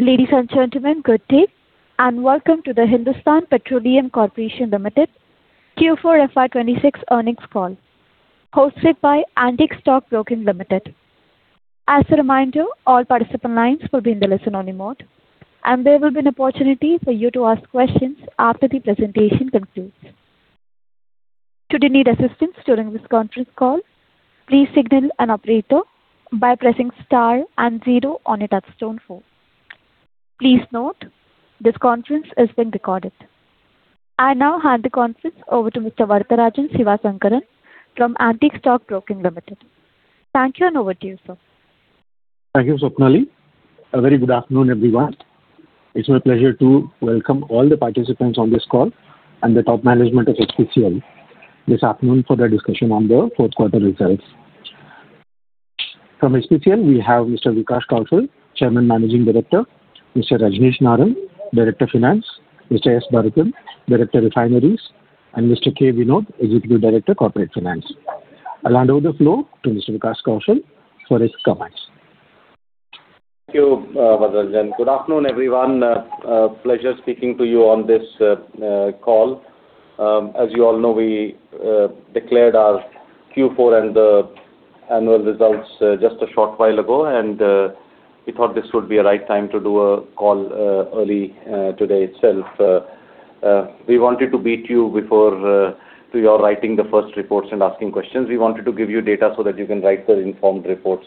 Ladies and gentlemen, good day, and welcome to the Hindustan Petroleum Corporation Limited Q4 FY 2026 earnings call hosted by Antique Stock Broking Limited. As a reminder, all participant lines will be in the listen-only mode, and there will be an opportunity for you to ask questions after the presentation concludes. Should you need assistance during this conference call, please signal an operator by pressing star and zero on your touchtone phone. Please note, this conference is being recorded. I now hand the conference over to Mr. Varatharajan Sivasankaran from Antique Stock Broking Limited. Thank you, and over to you, sir. Thank you, Swapnali. A very good afternoon, everyone. It's my pleasure to welcome all the participants on this call and the top management of HPCL this afternoon for the discussion on the Q4 results. From HPCL, we have Mr. Vikas Kaushal, Chairman & Managing Director, Mr. Rajneesh Narang, Director Finance, Mr. S. Bharathan, Director Refineries, and Mr. K. Vinod, Executive Director Corporate Finance. I'll hand over the floor to Mr. Vikas Kaushal for his comments. Thank you, Varatharajan. Good afternoon, everyone. Pleasure speaking to you on this call. As you all know, we declared our Q4 and the annual results just a short while ago, and we thought this would be a right time to do a call early today itself. We wanted to beat you before you are writing the first reports and asking questions. We wanted to give you data so that you can write the informed reports.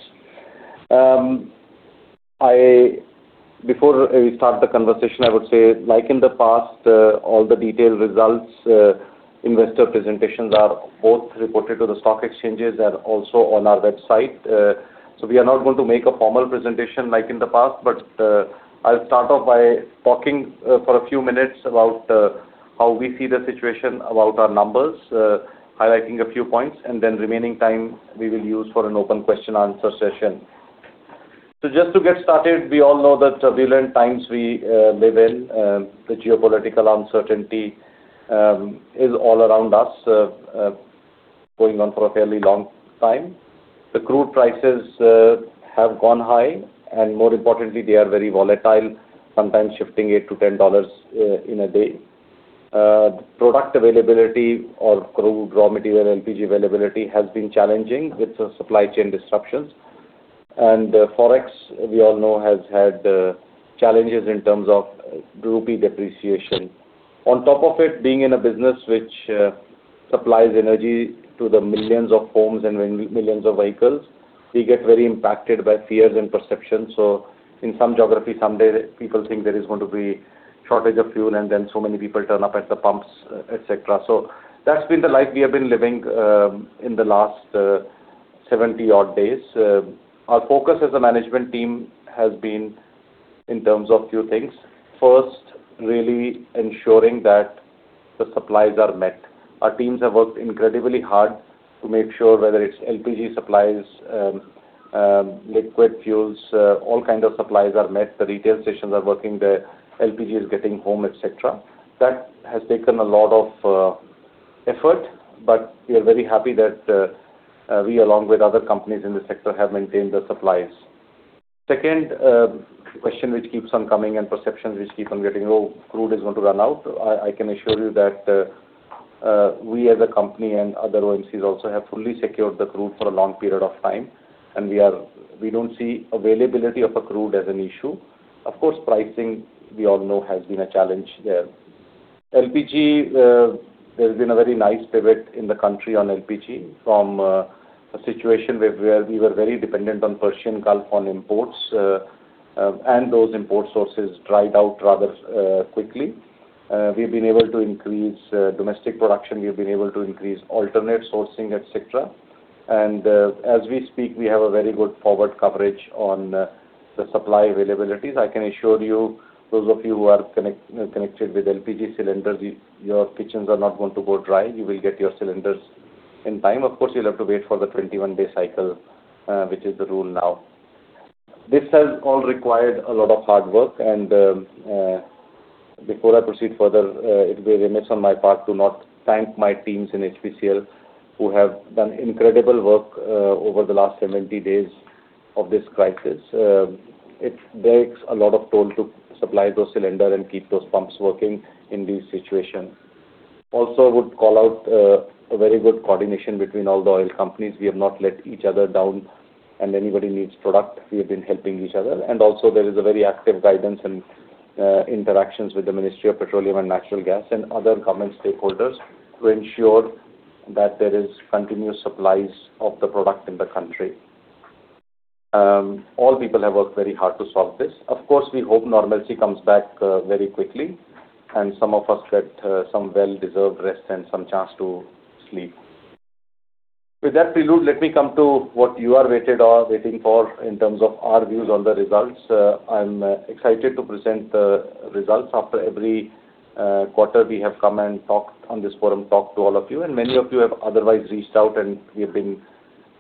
Before we start the conversation, I would say like in the past, all the detailed results, investor presentations are both reported to the stock exchanges and also on our website. We are not going to make a formal presentation like in the past, but I'll start off by talking for a few minutes about how we see the situation about our numbers, highlighting a few points, and then remaining time we will use for an open question answer session. Just to get started, we all know that turbulent times we live in, the geopolitical uncertainty is all around us, going on for a fairly long time. The crude prices have gone high, and more importantly, they are very volatile, sometimes shifting $8-$10 in a day. Product availability or crude raw material, LPG availability has been challenging with the supply chain disruptions. Forex, we all know, has had challenges in terms of rupee depreciation. On top of it, being in a business which supplies energy to the millions of homes and millions of vehicles, we get very impacted by fears and perceptions. In some geography, someday people think there is going to be shortage of fuel and then so many people turn up at the pumps, et cetera. That's been the life we have been living in the last 70-odd days. Our focus as a management team has been in terms of few things. First, really ensuring that the supplies are met. Our teams have worked incredibly hard to make sure whether it's LPG supplies, liquid fuels, all kind of supplies are met, the retail stations are working, the LPG is getting home, et cetera. That has taken a lot of effort, but we are very happy that we along with other companies in the sector have maintained the supplies. Second, question which keeps on coming and perceptions which keep on getting, "Oh, crude is going to run out." I can assure you that we as a company and other OMCs also have fully secured the crude for a long period of time, and we don't see availability of a crude as an issue. Of course, pricing, we all know, has been a challenge there. LPG, there's been a very nice pivot in the country on LPG from a situation where we were very dependent on Persian Gulf on imports. Those import sources dried out rather quickly. We've been able to increase domestic production. We've been able to increase alternate sourcing, et cetera. As we speak, we have a very good forward coverage on the supply availabilities. I can assure you, those of you who are connected with LPG cylinders, your kitchens are not going to go dry. You will get your cylinders in time. Of course, you'll have to wait for the 21-day cycle, which is the rule now. This has all required a lot of hard work and before I proceed further, it will be remiss on my part to not thank my teams in HPCL who have done incredible work over the last 70 days of this crisis. It takes a lot of toll to supply those cylinder and keep those pumps working in this situation. Also I would call out a very good coordination between all the oil companies. We have not let each other down, and anybody needs product, we have been helping each other. There is a very active guidance and interactions with the Ministry of Petroleum and Natural Gas and other government stakeholders to ensure that there is continuous supplies of the product in the country. All people have worked very hard to solve this. Of course, we hope normalcy comes back very quickly, and some of us get some well-deserved rest and some chance to sleep. With that prelude, let me come to what you are waited or waiting for in terms of our views on the results. I'm excited to present the results. After every quarter, we have come and talked on this forum, talked to all of you, and many of you have otherwise reached out, and we have been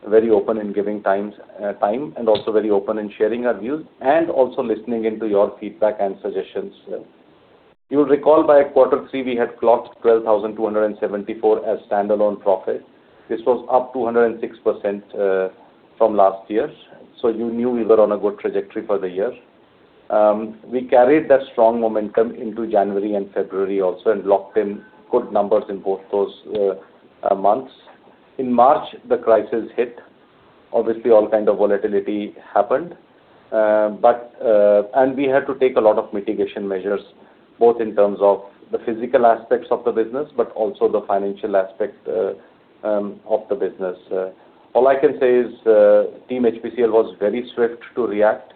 very open in giving time, and also very open in sharing our views and also listening into your feedback and suggestions. You'll recall by Q3 we had clocked 12,274 as standalone profit. This was up 206% from last year. You knew we were on a good trajectory for the year. We carried that strong momentum into January and February also, and locked in good numbers in both those months. In March, the crisis hit. Obviously, all kind of volatility happened. But we had to take a lot of mitigation measures, both in terms of the physical aspects of the business, but also the financial aspect of the business. All I can say is, team HPCL was very swift to react,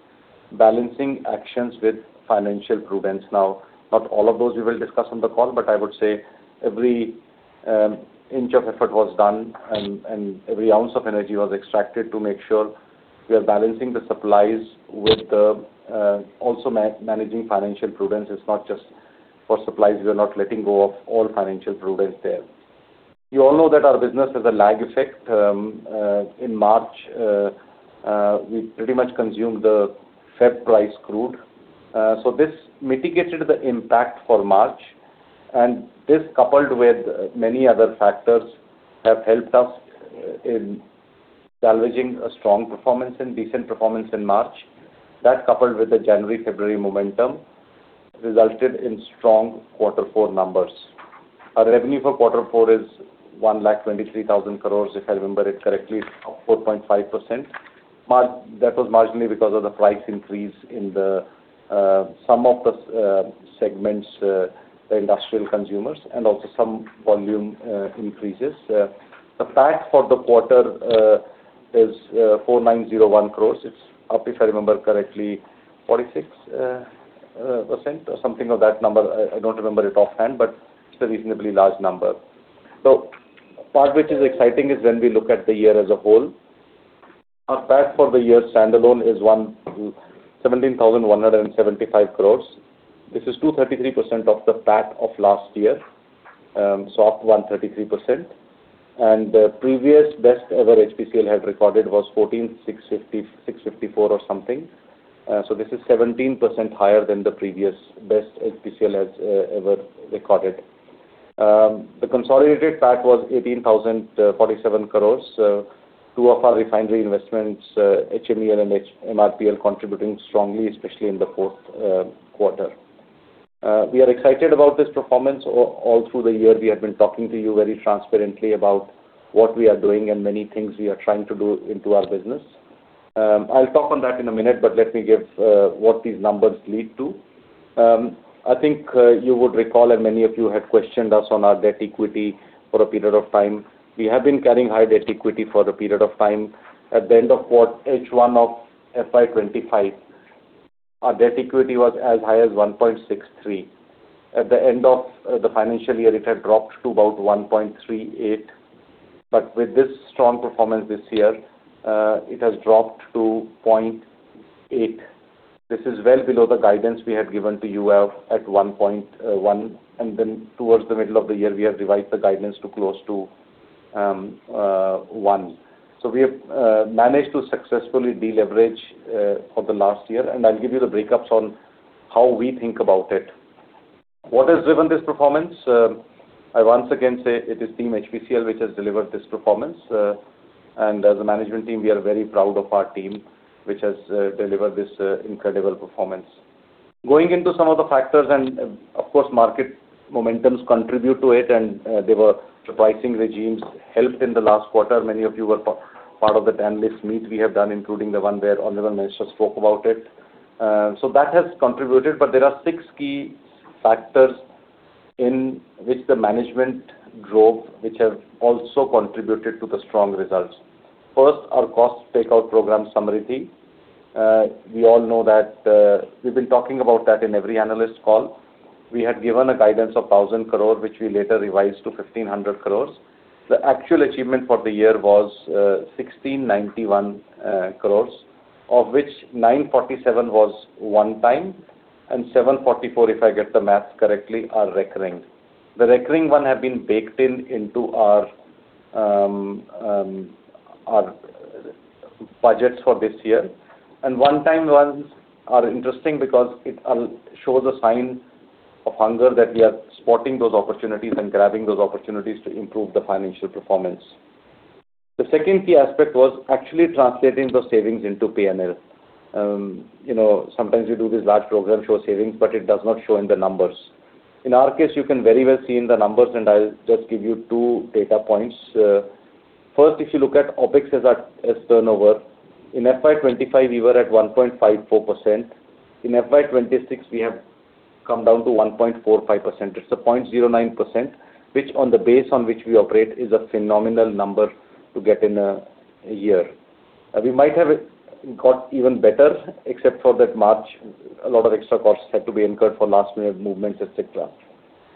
balancing actions with financial prudence. Not all of those we will discuss on the call, but I would say every inch of effort was done and every ounce of energy was extracted to make sure we are balancing the supplies with the also managing financial prudence. It's not just for supplies. We are not letting go of all financial prudence there. You all know that our business has a lag effect. In March, we pretty much consumed the Feb price crude. This mitigated the impact for March. This, coupled with many other factors, have helped us in salvaging a strong performance and decent performance in March. That, coupled with the January, February momentum, resulted in strong quarter four numbers. Our revenue for quarter four is 1,23,000 crore, if I remember it correctly, up 4.5%. That was marginally because of the price increase in the some of the segments, the industrial consumers, and also some volume increases. The PAT for the quarter is 4,901 crore. It's up, if I remember correctly, 46% or something of that number. I don't remember it offhand, but it's a reasonably large number. Part which is exciting is when we look at the year as a whole. Our PAT for the year standalone is 17,175 crores. This is 233% of the PAT of last year, so up 133%. The previous best ever HPCL had recorded was 14,654 or something. This is 17% higher than the previous best HPCL has ever recorded. The consolidated PAT was 18,047 crores. Two of our refinery investments, HMEL and MRPL, contributing strongly, especially in the Q4. We are excited about this performance. All through the year, we have been talking to you very transparently about what we are doing and many things we are trying to do into our business. I'll talk on that in a minute, but let me give what these numbers lead to. I think, you would recall, many of you had questioned us on our debt equity for a period of time. We have been carrying high debt equity for a period of time. At the end of H1 of FY 2025, our debt equity was as high as 1.63. At the end of the financial year, it had dropped to about 1.38. With this strong performance this year, it has dropped to 0.8. This is well below the guidance we had given to you of at 1.1, then towards the middle of the year, we have revised the guidance to close to one. We have managed to successfully deleverage for the last year, and I'll give you the breakups on how we think about it. What has driven this performance? I once again say it is team HPCL which has delivered this performance. As a management team, we are very proud of our team, which has delivered this incredible performance. Going into some of the factors and, of course, market momentums contribute to it, the pricing regimes helped in the last quarter. Many of you were part of the analyst meet we have done, including the one where Honorable Minister spoke about it. That has contributed, but there are six key factors in which the management drove, which have also contributed to the strong results. First, our cost takeout program, Samriddhi. We all know that we've been talking about that in every analyst call. We had given a guidance of 1,000 crore, which we later revised to 1,500 crore. The actual achievement for the year was 1,691 crore, of which 947 crore was one-time, and 744 crore, if I get the math correctly, are recurring. The recurring one have been baked in, into our budgets for this year. One-time ones are interesting because it shows a sign of hunger that we are spotting those opportunities and grabbing those opportunities to improve the financial performance. The second key aspect was actually translating those savings into P&L. You know, sometimes you do these large programs, show savings, but it does not show in the numbers. In our case, you can very well see in the numbers, and I'll just give you two data points. First, if you look at OpEx as turnover, in FY 2025, we were at 1.54%. In FY 2026, we have come down to 1.45%. It's a 0.09%, which on the base on which we operate is a phenomenal number to get in a year. We might have it got even better, except for that March, a lot of extra costs had to be incurred for last-minute movements, et cetera.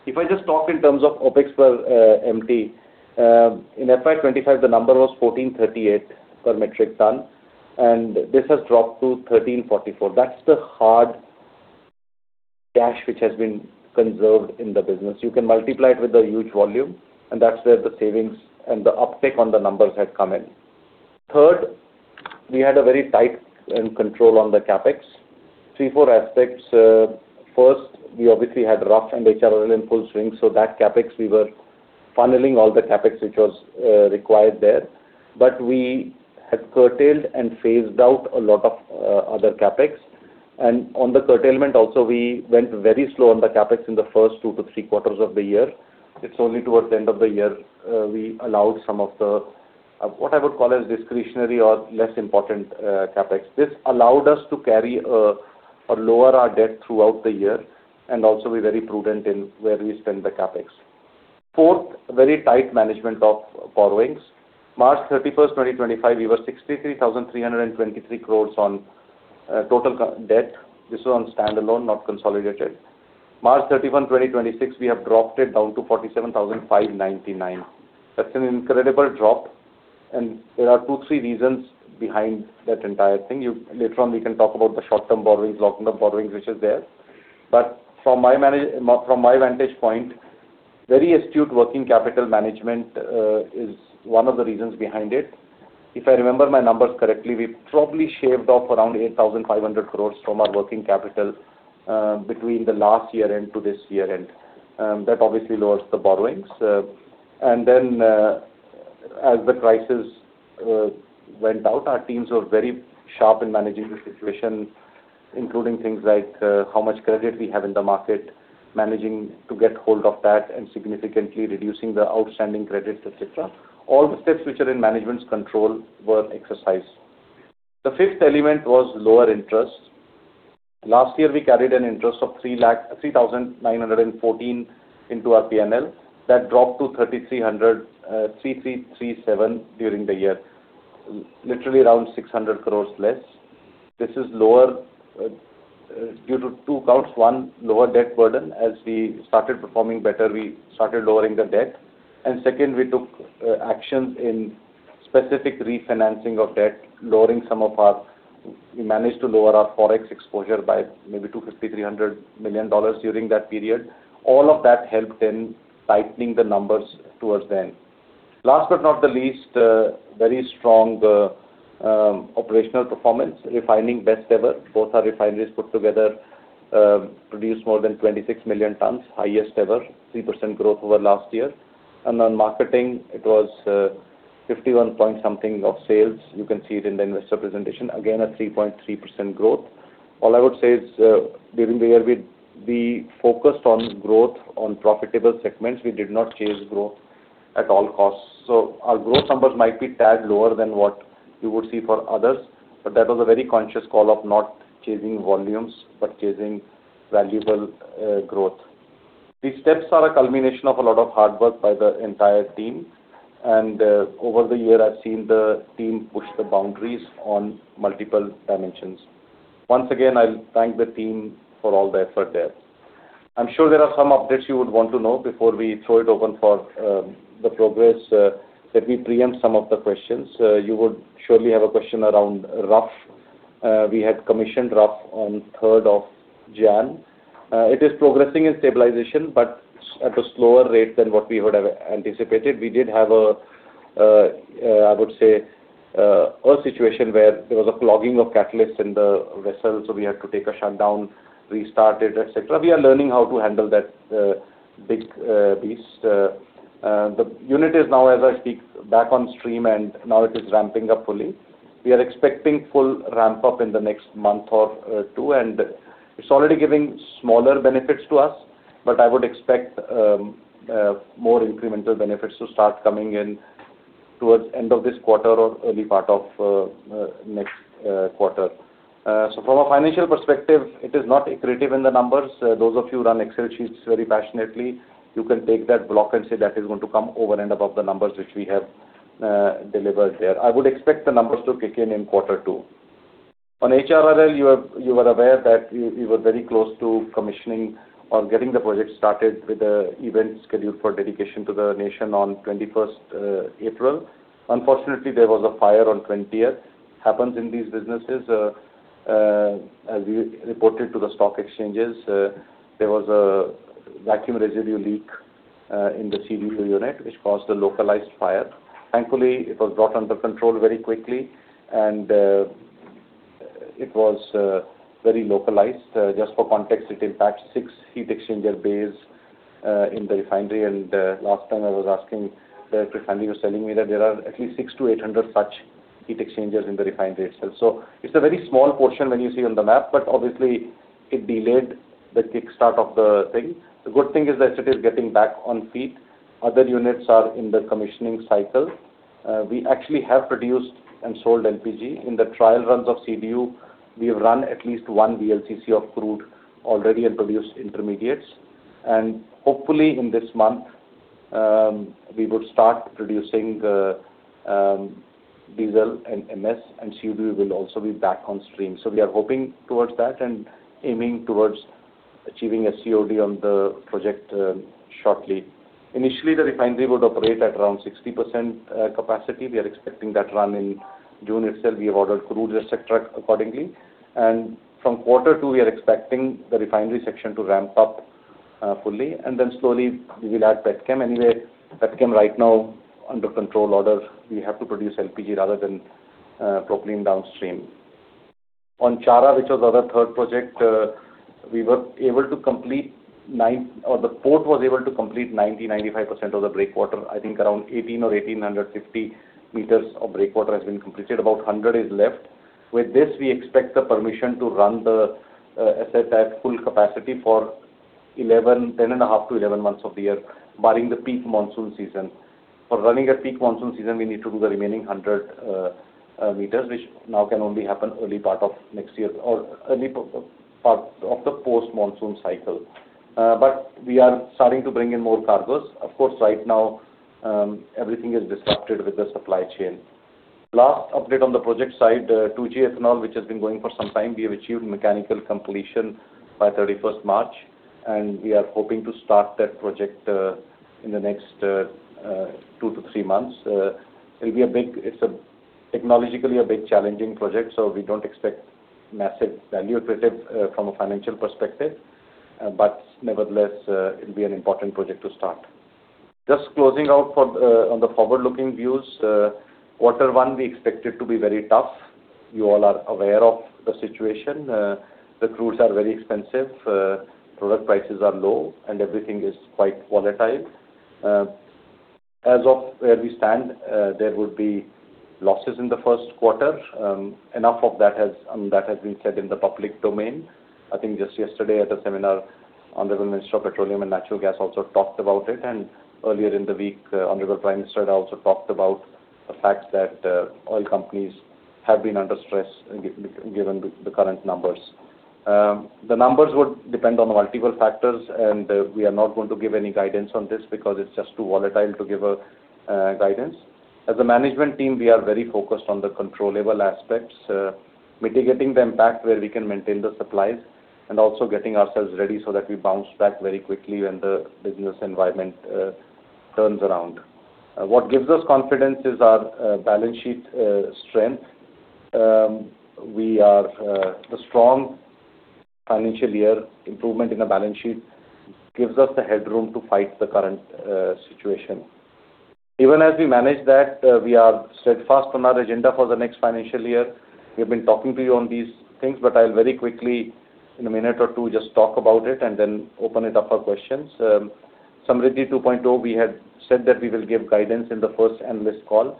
If I just talk in terms of OpEx per MT, in FY 2025, the number was 1,438 per metric ton, this has dropped to 1,344. That's the hard cash which has been conserved in the business. You can multiply it with the huge volume, that's where the savings and the uptick on the numbers had come in. Third, we had a very tight control on the CapEx. Three, four aspects. First, we obviously had RUF and HRLL in full swing, so that CapEx we were funneling all the CapEx which was required there. We had curtailed and phased out a lot of other CapEx. On the curtailment also, we went very slow on the CapEx in the first two to three quarters of the year. It's only towards the end of the year, we allowed some of the what I would call as discretionary or less important CapEx. This allowed us to carry or lower our debt throughout the year and also be very prudent in where we spend the CapEx. Fourth, very tight management of borrowings. March 31, 2025, we were 63,323 crores on total debt. This was on standalone, not consolidated. March 31, 2026, we have dropped it down to 47,599. That's an incredible drop. There are two, three reasons behind that entire thing. Later on we can talk about the short-term borrowings, long-term borrowings which is there. From my vantage point, very astute working capital management is one of the reasons behind it. If I remember my numbers correctly, we probably shaved off around 8,500 crores from our working capital between the last year-end to this year-end. That obviously lowers the borrowings. Then as the prices went out, our teams were very sharp in managing the situation, including things like how much credit we have in the market, managing to get hold of that and significantly reducing the outstanding credits, et cetera. All the steps which are in management's control were exercised. The fifth element was lower interest. Last year, we carried an interest of 3,914 into our P&L. That dropped to 3,337 during the year. Literally around 600 crores less. This is lower due to two counts. One, lower debt burden. As we started performing better, we started lowering the debt. Second, we took actions in specific refinancing of debt. We managed to lower our forex exposure by maybe $250 million-$300 million during that period. All of that helped in tightening the numbers towards the end. Last but not the least, a very strong operational performance. Refining, best ever. Both our refineries put together, produced more than 26 million tons, highest ever, 3% growth over last year. On marketing, it was 51 point something of sales. You can see it in the investor presentation. Again, a 3.3% growth. All I would say is, during the year we focused on growth on profitable segments. We did not chase growth at all costs. Our growth numbers might be a tad lower than what you would see for others, but that was a very conscious call of not chasing volumes, but chasing valuable growth. These steps are a culmination of a lot of hard work by the entire team, and, over the year, I've seen the team push the boundaries on multiple dimensions. Once again, I'll thank the team for all the effort there. I'm sure there are some updates you would want to know before we throw it open for the progress. Let me preempt some of the questions. You would surely have a question around RUF. We had commissioned RUF on 3rd January. It is progressing in stabilization, but at a slower rate than what we would have anticipated. We did have a, I would say, a situation where there was a clogging of catalysts in the vessel, so we had to take a shutdown, restart it, et cetera. We are learning how to handle that big beast. The unit is now, as I speak, back on stream, and now it is ramping up fully. We are expecting full ramp-up in the next month or two, and it's already giving smaller benefits to us, but I would expect more incremental benefits to start coming in towards end of this quarter or early part of next quarter. From a financial perspective, it is not accretive in the numbers. Those of you who run Excel sheets very passionately, you can take that block and say that is going to come over and above the numbers which we have delivered there. I would expect the numbers to kick in in Q2. On HRLL, you were aware that we were very close to commissioning or getting the project started with the event scheduled for dedication to the nation on April 21st. Unfortunately, there was a fire on 20th. Happens in these businesses. As we reported to the stock exchanges, there was a vacuum residue leak in the CDU unit which caused a localized fire. Thankfully, it was brought under control very quickly, and it was very localized. Just for context, it impacted six heat exchanger bays in the refinery. Last time I was asking, the refinery was telling me that there are at least six to 800 such heat exchangers in the refinery itself. It's a very small portion when you see on the map, but obviously it delayed the kickstart of the thing. The good thing is that it is getting back on feet. Other units are in the commissioning cycle. We actually have produced and sold LPG. In the trial runs of CDU, we have run at least one VLCC of crude already and produced intermediates. Hopefully in this month, we would start producing diesel and MS, and CDU will also be back on stream. We are hoping towards that and aiming towards achieving a COD on the project shortly. Initially, the refinery would operate at around 60% capacity. We are expecting that run in June itself. We have ordered crude feedstock accordingly. From Q2, we are expecting the refinery section to ramp up fully, and then slowly we will add petchem. Petchem right now under control order, we have to produce LPG rather than propylene downstream. Chhara, which was our third project, we were able to complete or the port was able to complete 90%, 95% of the breakwater. I think around 18 or 1,850 meters of breakwater has been completed. About 100 is left. With this, we expect the permission to run the asset at full capacity for 10.5 to 11 months of the year, barring the peak monsoon season. For running at peak monsoon season, we need to do the remaining 100 meters, which now can only happen early part of next year or early part of the post-monsoon cycle. We are starting to bring in more cargoes. Of course, right now, everything is disrupted with the supply chain. Last update on the project side, 2G Ethanol, which has been going for some time, we have achieved mechanical completion by 31st March, and we are hoping to start that project in the next two to three months. It's a technologically a big challenging project, so we don't expect massive value accretive from a financial perspective. Nevertheless, it'll be an important project to start. Just closing out for on the forward-looking views, Q1, we expect it to be very tough. You all are aware of the situation. The crudes are very expensive, product prices are low, and everything is quite volatile. As of where we stand, there would be losses in the Q1. Enough of that has been said in the public domain. I think just yesterday at a seminar, Honorable Minister of Petroleum and Natural Gas also talked about it. Earlier in the week, Honorable Prime Minister had also talked about the fact that oil companies have been under stress given the current numbers. The numbers would depend on multiple factors. We are not going to give any guidance on this because it is just too volatile to give a guidance. As a management team, we are very focused on the controllable aspects, mitigating the impact where we can maintain the supplies. Also getting ourselves ready so that we bounce back very quickly when the business environment turns around. What gives us confidence is our balance sheet strength. We are the strong financial year improvement in the balance sheet gives us the headroom to fight the current situation. Even as we manage that, we are steadfast on our agenda for the next financial year. We have been talking to you on these things, but I'll very quickly, in one or two minutes, just talk about it and then open it up for questions. Samriddhi 2.0, we had said that we will give guidance in the first analyst call.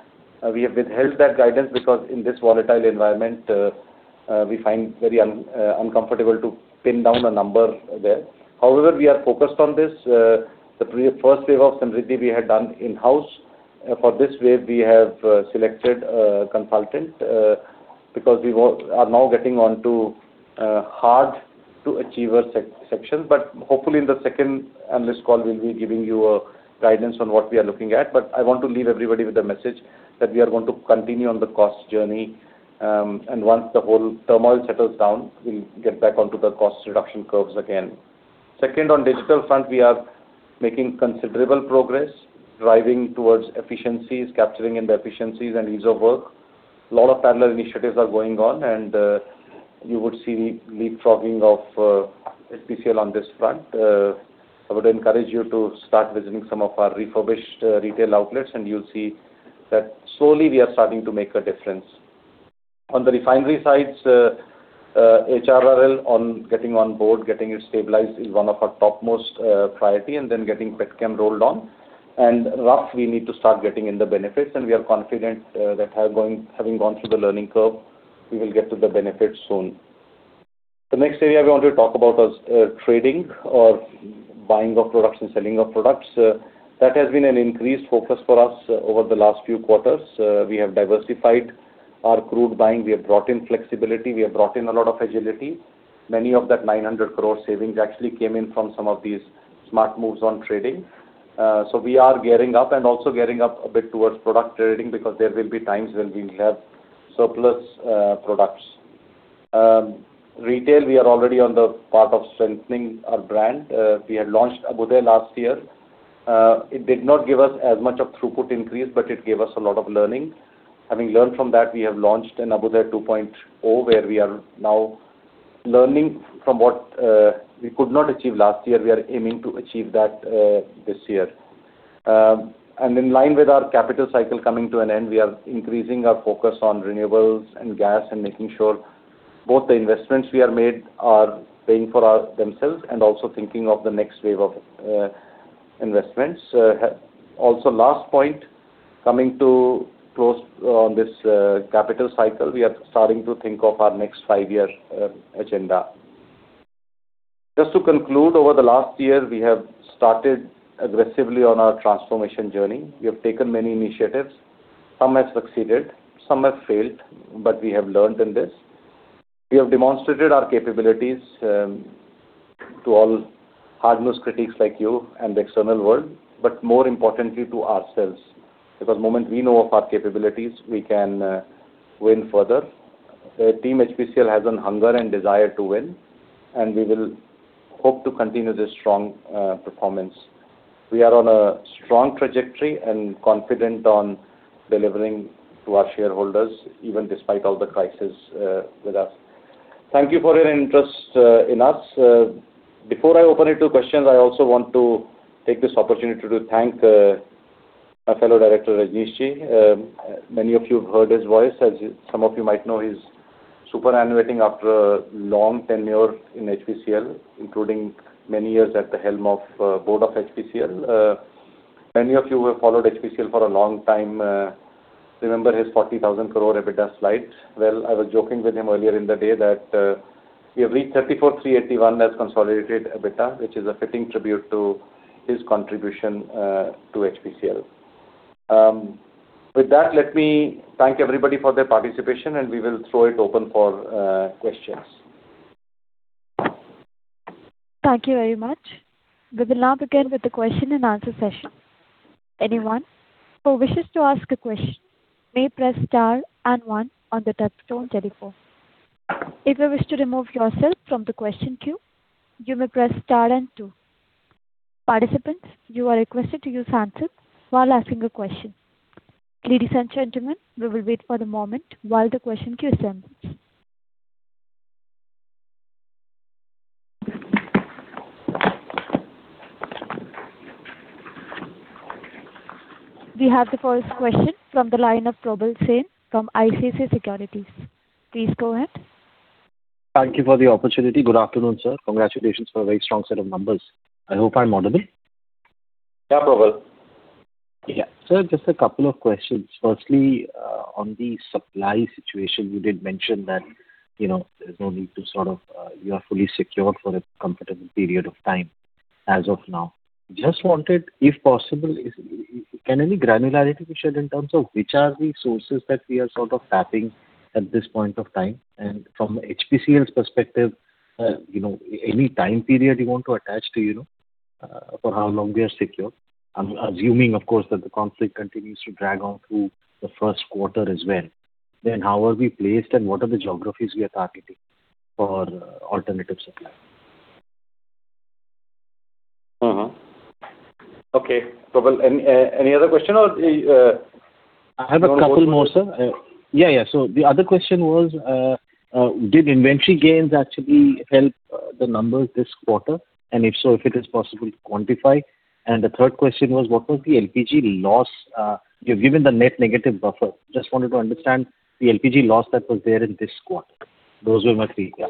We have withheld that guidance because in this volatile environment, we find very uncomfortable to pin down a number there. However, we are focused on this. The first wave of Samriddhi we had done in-house. For this wave, we have selected a consultant because we are now getting onto hard-to-achieve sections. Hopefully, in the second analyst call, we'll be giving you a guidance on what we are looking at. I want to leave everybody with a message that we are going to continue on the cost journey, and once the whole turmoil settles down, we'll get back onto the cost reduction curves again. Second, on digital front, we are making considerable progress, driving towards efficiencies, capturing in the efficiencies and ease of work. A lot of parallel initiatives are going on, you would see leapfrogging of HPCL on this front. I would encourage you to start visiting some of our refurbished retail outlets, and you'll see that slowly we are starting to make a difference. On the refinery sides, HRRL getting on board, getting it stabilized is one of our topmost priority, and then getting petchem rolled on. RUF we need to start getting in the benefits, and we are confident, that having gone through the learning curve, we will get to the benefits soon. The next area we want to talk about is trading or buying of products and selling of products. That has been an increased focus for us over the last few quarters. We have diversified our crude buying. We have brought in flexibility. We have brought in a lot of agility. Many of that 900 crore savings actually came in from some of these smart moves on trading. We are gearing up and also gearing up a bit towards product trading because there will be times when we will have surplus products. Retail, we are already on the path of strengthening our brand. We had launched Auto Shakti last year. It did not give us as much of throughput increase, but it gave us a lot of learning. Having learned from that, we have launched a Samriddhi 2.0, where we are now learning from what we could not achieve last year. We are aiming to achieve that this year. In line with our capital cycle coming to an end, we are increasing our focus on renewables and gas and making sure both the investments we have made are paying for themselves and also thinking of the next wave of investments. Also last point, coming to close on this capital cycle, we are starting to think of our next five-year agenda. Just to conclude, over the last year, we have started aggressively on our transformation journey. We have taken many initiatives. Some have succeeded, some have failed. We have learnt in this. We have demonstrated our capabilities to all hard-nosed critics like you and the external world, but more importantly to ourselves. Moment we know of our capabilities, we can win further. The team HPCL has a hunger and desire to win, and we will hope to continue this strong performance. We are on a strong trajectory and confident on delivering to our shareholders, even despite all the crisis with us. Thank you for your interest in us. Before I open it to questions, I also want to take this opportunity to thank my fellow director, Rajneesh Ji. Many of you have heard his voice. As some of you might know, he's superannuating after a long tenure in HPCL, including many years at the helm of Board of HPCL. Many of you who have followed HPCL for a long time, remember his 40,000 crore EBITDA slide. I was joking with him earlier in the day that we have reached 34,381 as consolidated EBITDA, which is a fitting tribute to his contribution to HPCL. With that, let me thank everybody for their participation, and we will throw it open for questions. Thank you very much. We will now begin with the question-and-answer session. Anyone who wishes to ask a question may press star and one on the touchtone telephone. If you wish to remove yourself from the question queue, you may press star and two. Participants, you are requested to use handset while asking a question. Ladies and gentlemen, we will wait for the moment while the question queue is sent. We have the first question from the line of Probal Sen from ICICI Securities. Please go ahead. Thank you for the opportunity. Good afternoon, sir. Congratulations for a very strong set of numbers. I hope I'm audible. Yeah, Probal. Yeah. Sir, just a couple of questions. Firstly, on the supply situation, you did mention that, you know, there's no need to sort of, you are fully secured for a comfortable period of time as of now. Just wanted, if possible, can any granularity be shared in terms of which are the sources that we are sort of tapping at this point of time? From HPCL's perspective, you know, any time period you want to attach to, you know, for how long we are secure? I'm assuming, of course, that the conflict continues to drag on through the Q1 as well. How are we placed, and what are the geographies we are targeting for alternative supply? Mm-hmm. Okay. Probal, any other question? I have a couple more, sir. Yeah. The other question was, did inventory gains actually help the numbers this quarter? If so, if it is possible to quantify. The third question was, what was the LPG loss? You've given the net negative buffer. Just wanted to understand the LPG loss that was there in this quarter. Those were my three, yeah.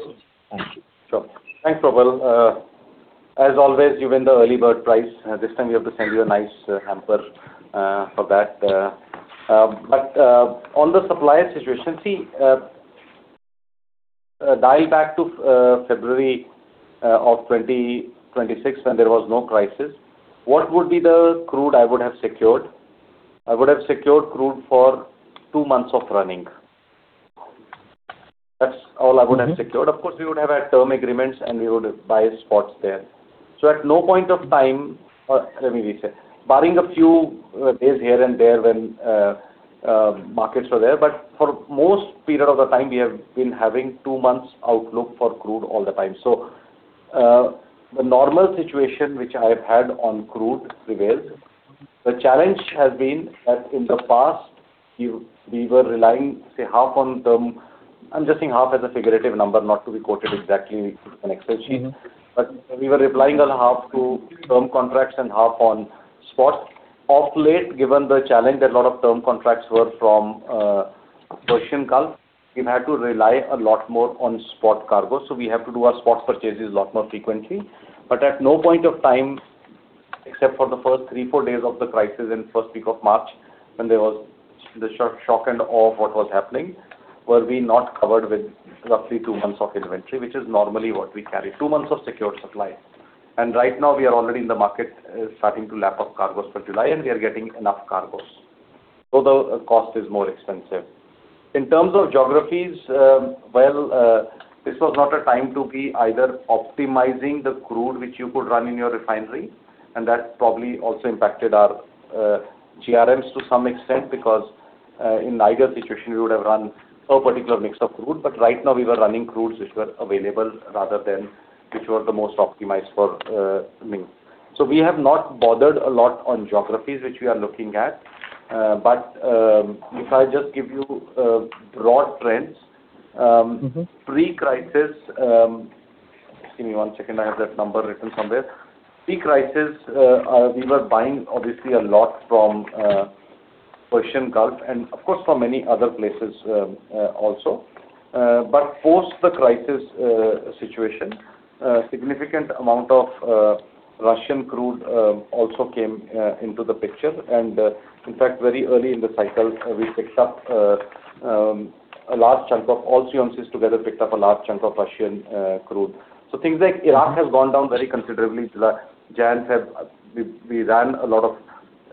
Thank you. Sure. Thanks, Probal. As always, you win the early bird prize. This time we have to send you a nice hamper for that. On the supplier situation, see, dial back to February of 2026 when there was no crisis. What would be the crude I would have secured? I would have secured crude for two months of running. That's all I would have secured. Of course, we would have had term agreements, and we would buy spots there. At no point of time. Let me reset. Barring a few days here and there when markets were there, but for most period of the time, we have been having two months outlook for crude all the time. The normal situation which I've had on crude prevails. The challenge has been that in the past, we were relying, say, half on term. I'm just saying half as a figurative number, not to be quoted exactly in an Excel sheet. We were relying on half to term contracts and half on spots. Of late, given the challenge that a lot of term contracts were from Persian Gulf, we've had to rely a lot more on spot cargo. We have to do our spot purchases a lot more frequently. At no point of time, except for the first three, four days of the crisis in first week of March, when there was the shock and awe of what was happening, were we not covered with roughly two months of inventory, which is normally what we carry. Two months of secured supply. Right now we are already in the market, starting to lap up cargoes for July, and we are getting enough cargoes. Although the cost is more expensive. In terms of geographies, this was not a time to be either optimizing the crude which you could run in your refinery, and that probably also impacted our GRMs to some extent, because in either situation, we would have run a particular mix of crude. Right now we were running crudes which were available rather than which were the most optimized for me. We have not bothered a lot on geographies which we are looking at. If I just give you broad trends. Pre-crisis, just give me one second, I have that number written somewhere. Pre-crisis, we were buying obviously a lot from Persian Gulf and of course from many other places also. But post the crisis situation, a significant amount of Russian crude also came into the picture. In fact, very early in the cycle, we picked up a large chunk of all three entities together picked up a large chunk of Russian crude. Things like Iraq has gone down very considerably. We ran a lot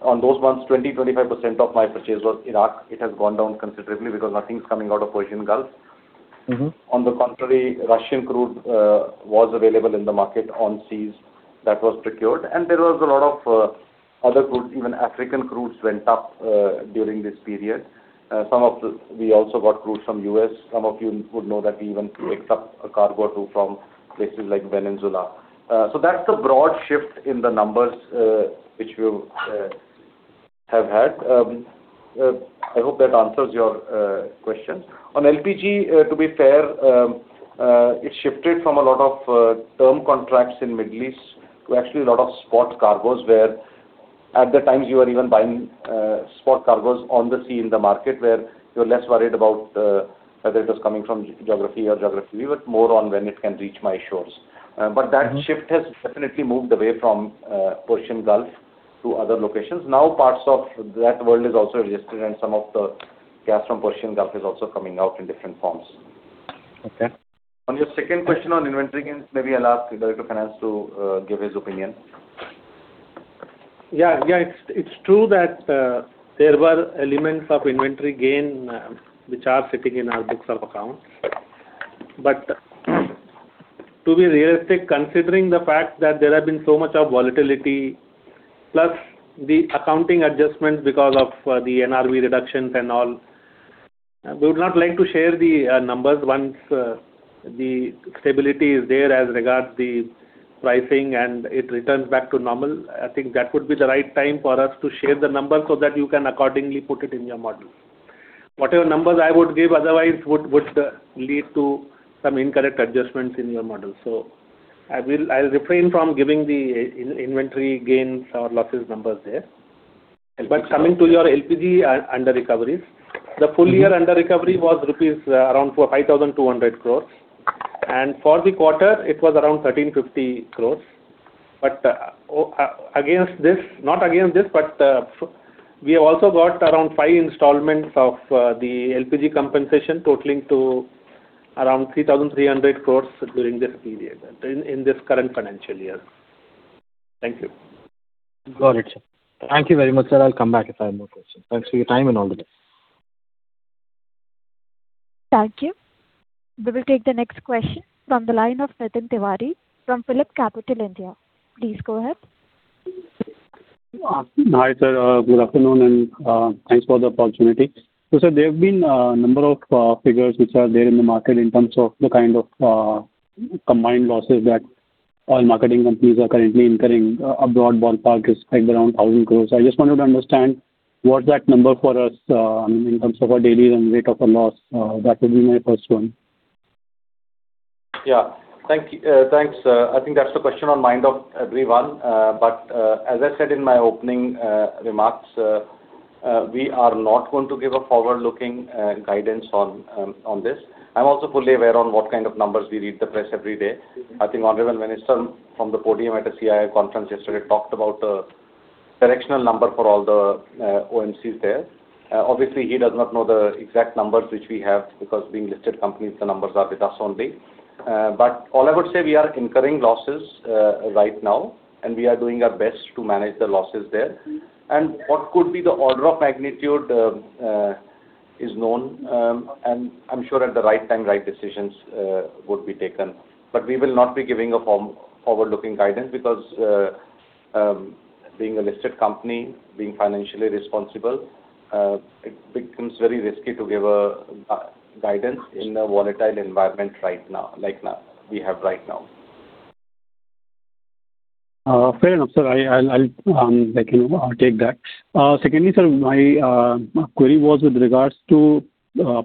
of. On those months, 20-25% of my purchase was Iraq. It has gone down considerably because nothing's coming out of Persian Gulf. On the contrary, Russian crude was available in the market on seas that was procured. There was a lot of Other crudes, even African crudes went up during this period. We also got crudes from U.S. Some of you would know that we even picked up a cargo or two from places like Venezuela. So that's the broad shift in the numbers which we'll have had. I hope that answers your question. On LPG, to be fair, it shifted from a lot of term contracts in Middle East to actually a lot of spot cargoes where at the times you were even buying spot cargoes on the sea in the market, where you're less worried about whether it was coming from geography or geography, but more on when it can reach my shores. That shift has definitely moved away from Persian Gulf to other locations. Parts of that world is also registered, some of the gas from Persian Gulf is also coming out in different forms. Okay. On your second question on inventory gains, maybe I'll ask the Director of Finance to give his opinion. Yeah, it's true that there were elements of inventory gain, which are sitting in our books of accounts. To be realistic, considering the fact that there have been so much of volatility, plus the accounting adjustments because of the NRV reductions and all, we would not like to share the numbers once the stability is there as regards the pricing and it returns back to normal. I think that would be the right time for us to share the numbers so that you can accordingly put it in your model. Whatever numbers I would give otherwise would lead to some incorrect adjustments in your model. I'll refrain from giving the in-inventory gains or losses numbers there. Coming to your LPG under-recoveries. The full-year under-recovery was 5,200 crores rupees. For the quarter it was around 1,350 crores. Against this, we have also got around five installments of the LPG compensation totaling to around 3,300 crores during this period in this current financial year. Thank you. Got it, sir. Thank you very much, sir. I'll come back if I have more questions. Thanks for your time and all the best. Thank you. We will take the next question from the line of Nitin Tiwari from PhillipCapital India. Please go ahead. Hi, sir. Good afternoon, and thanks for the opportunity. Sir, there have been a number of figures which are there in the market in terms of the kind of combined losses that oil marketing companies are currently incurring. A broad ballpark is like around 1,000 crores. I just wanted to understand what's that number for us, I mean, in terms of our daily run rate of a loss? That would be my first one. Yeah. Thank, thanks. I think that's the question on mind of everyone. As I said in my opening remarks, we are not going to give a forward-looking guidance on this. I am also fully aware on what kind of numbers we read the press every day. I think honorable minister from the podium at a CII conference yesterday talked about a directional number for all the OMCs there. Obviously, he does not know the exact numbers which we have, because being listed companies, the numbers are with us only. All I would say, we are incurring losses right now, and we are doing our best to manage the losses there. What could be the order of magnitude is known. I'm sure at the right time, right decisions would be taken. We will not be giving a form-forward-looking guidance because being a listed company, being financially responsible, it becomes very risky to give a guidance in a volatile environment right now, like now, we have right now. Fair enough, sir. I'll, I'll, like, you know, take that. Secondly, sir, my query was with regards to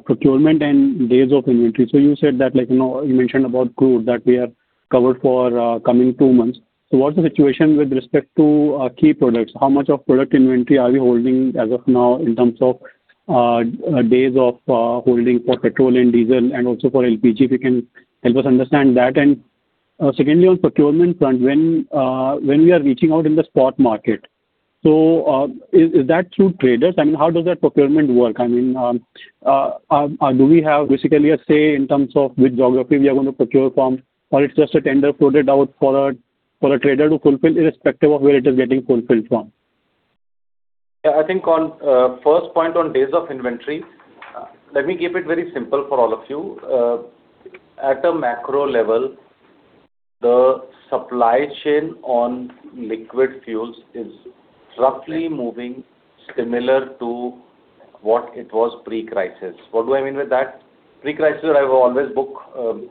procurement and days of inventory. You said that, like, you know, you mentioned about crude, that we are covered for coming two months. What's the situation with respect to key products? How much of product inventory are we holding as of now in terms of days of holding for petrol and diesel and also for LPG, if you can help us understand that. Secondly, on procurement front, when we are reaching out in the spot market, is that through traders? I mean, how does that procurement work? I mean, do we have basically a say in terms of which geography we are going to procure from, or it's just a tender floated out for a trader to fulfill irrespective of where it is getting fulfilled from? Yeah. I think on first point on days of inventory, let me keep it very simple for all of you. At a macro level, the supply chain on liquid fuels is roughly moving similar to what it was pre-crisis. What do I mean with that? Pre-crisis, I would always book,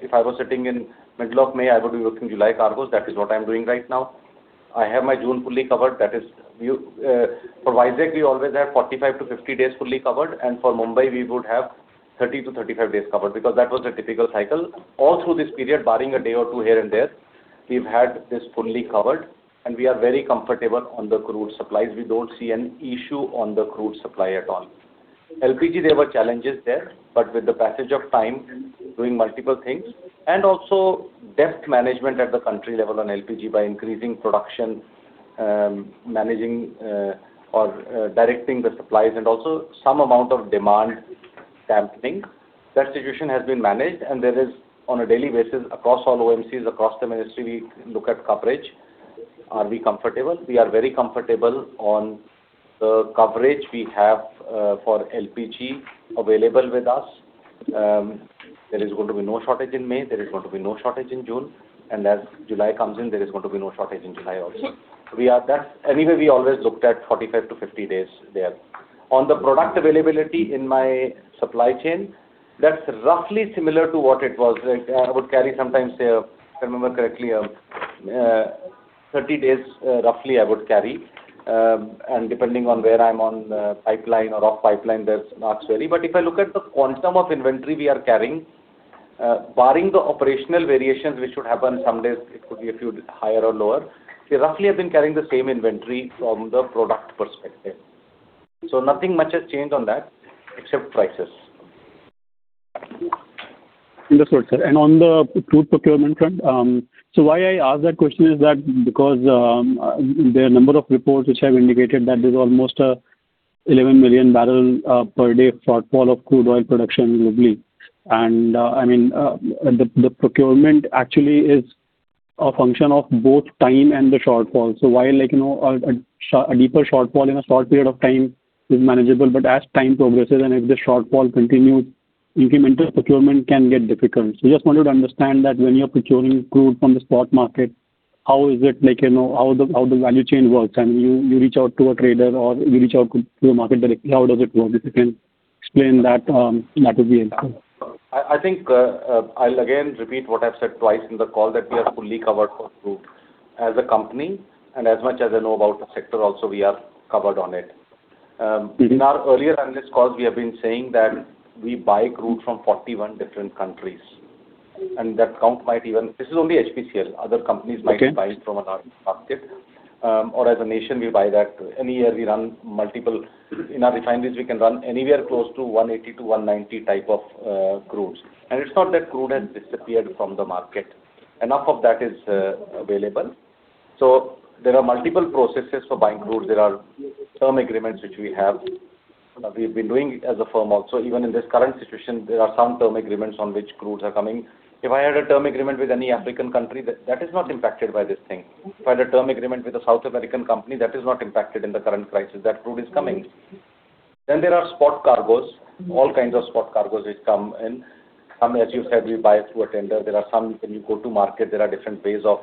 if I was sitting in middle of May, I would be booking July cargoes. That is what I'm doing right now. I have my June fully covered. That is for Vizag we always have 45-50 days fully covered, and for Mumbai we would have 30-35 days covered, because that was a typical cycle. All through this period, barring a day or two here and there, we've had this fully covered, and we are very comfortable on the crude supplies. We don't see an issue on the crude supply at all. LPG, there were challenges there, but with the passage of time, doing multiple things, also debt management at the country level on LPG by increasing production, managing, or directing the supplies and also some amount of demand dampening, that situation has been managed. There is on a daily basis across all OMCs, across the ministry, we look at coverage. Are we comfortable? We are very comfortable on the coverage we have for LPG available with us. There is going to be no shortage in May, there is going to be no shortage in June, as July comes in, there is going to be no shortage in July also. Anyway, we always looked at 45-50 days there. On the product availability in my supply chain, that's roughly similar to what it was. Like, I would carry sometimes say, if I remember correctly, 30 days, roughly I would carry. Depending on where I'm on the pipeline or off pipeline, that marks vary. If I look at the quantum of inventory we are carrying, barring the operational variations which should happen some days it could be a few higher or lower, we roughly have been carrying the same inventory from the product perspective. Nothing much has changed on that except prices. Understood, sir. On the crude procurement front, so why I ask that question is that because there are a number of reports which have indicated that there's almost 11 million barrel per day shortfall of crude oil production globally. I mean, the procurement actually is a function of both time and the shortfall. While like, you know, a deeper shortfall in a short period of time is manageable, but as time progresses and if the shortfall continues, incremental procurement can get difficult. Just wanted to understand that when you're procuring crude from the spot market, how is it, like, you know, how the, how the value chain works? I mean, you reach out to a trader or you reach out to a market directly. How does it work? If you can explain that would be helpful. I think, I'll again repeat what I've said twice in the call that we are fully covered for crude as a company, and as much as I know about the sector also we are covered on it. In our earlier analyst calls we have been saying that we buy crude from 41 different countries. This is only HPCL. Other companies. Okay. Might be buying from another market. As a nation we buy that. Any year we run In our refineries we can run anywhere close to 180 to 190 type of crudes. It's not that crude has disappeared from the market. Enough of that is available. There are multiple processes for buying crude. There are term agreements which we have. We've been doing it as a firm also. Even in this current situation, there are some term agreements on which crudes are coming. If I had a term agreement with any African country, that is not impacted by this thing. If I had a term agreement with a South American company, that is not impacted in the current crisis. That crude is coming. There are spot cargoes. All kinds of spot cargoes which come in. Some, as you said, we buy through a tender. There are some when you go to market, there are different ways of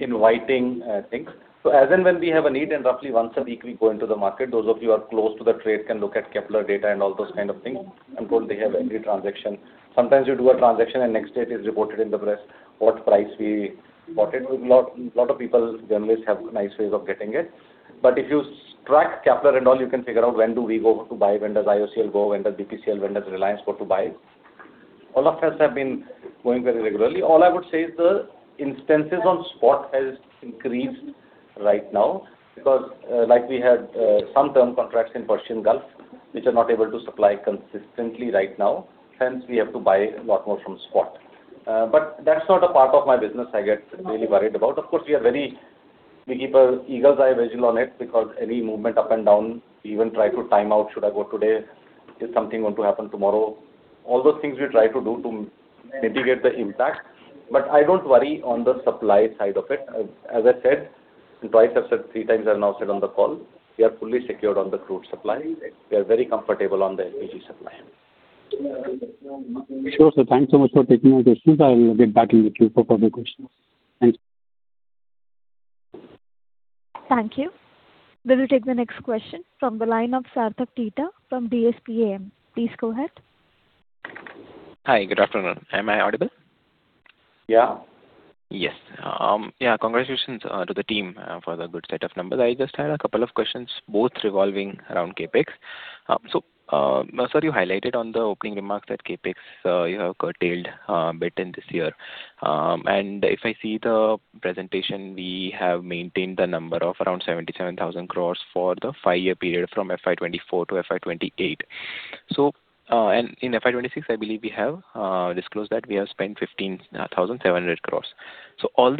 inviting things. As and when we have a need, and roughly once a week we go into the market, those of you who are close to the trade can look at Kpler data and all those kind of things, and of course they have every transaction. Sometimes you do a transaction and next day it is reported in the press what price we bought it. Lot of people, journalists have nice ways of getting it. If you track Kpler and all, you can figure out when do we go to buy, when does IOCL go, when does BPCL, when does Reliance go to buy. All of us have been going very regularly. I would say is the instances on spot has increased right now because, like we had, some term contracts in Persian Gulf which are not able to supply consistently right now, hence we have to buy a lot more from spot. That's not a part of my business I get really worried about. Of course, we keep a eagle's eye vigil on it because any movement up and down, we even try to time out, should I go today? Is something going to happen tomorrow? Those things we try to do to mitigate the impact. I don't worry on the supply side of it. As I said, two I've said, 3x I've now said on the call, we are fully secured on the crude supply. We are very comfortable on the LPG supply end. Sure, sir. Thanks so much for taking my questions. I will get back in the queue for further questions. Thank you. Thank you. We'll take the next question from the line of Sarthak Tita from DSPM. Please go ahead. Hi, good afternoon. Am I audible? Yeah. Yes. Yeah, congratulations to the team for the good set of numbers. I just had a couple of questions, both revolving around CapEx. Sir, you highlighted on the opening remarks that CapEx you have curtailed a bit in this year. And if I see the presentation, we have maintained the number of around 77,000 crores for the five-year period from FY 2024 to FY 2028. And in FY 2026, I believe we have disclosed that we have spent 15,700 crores. Also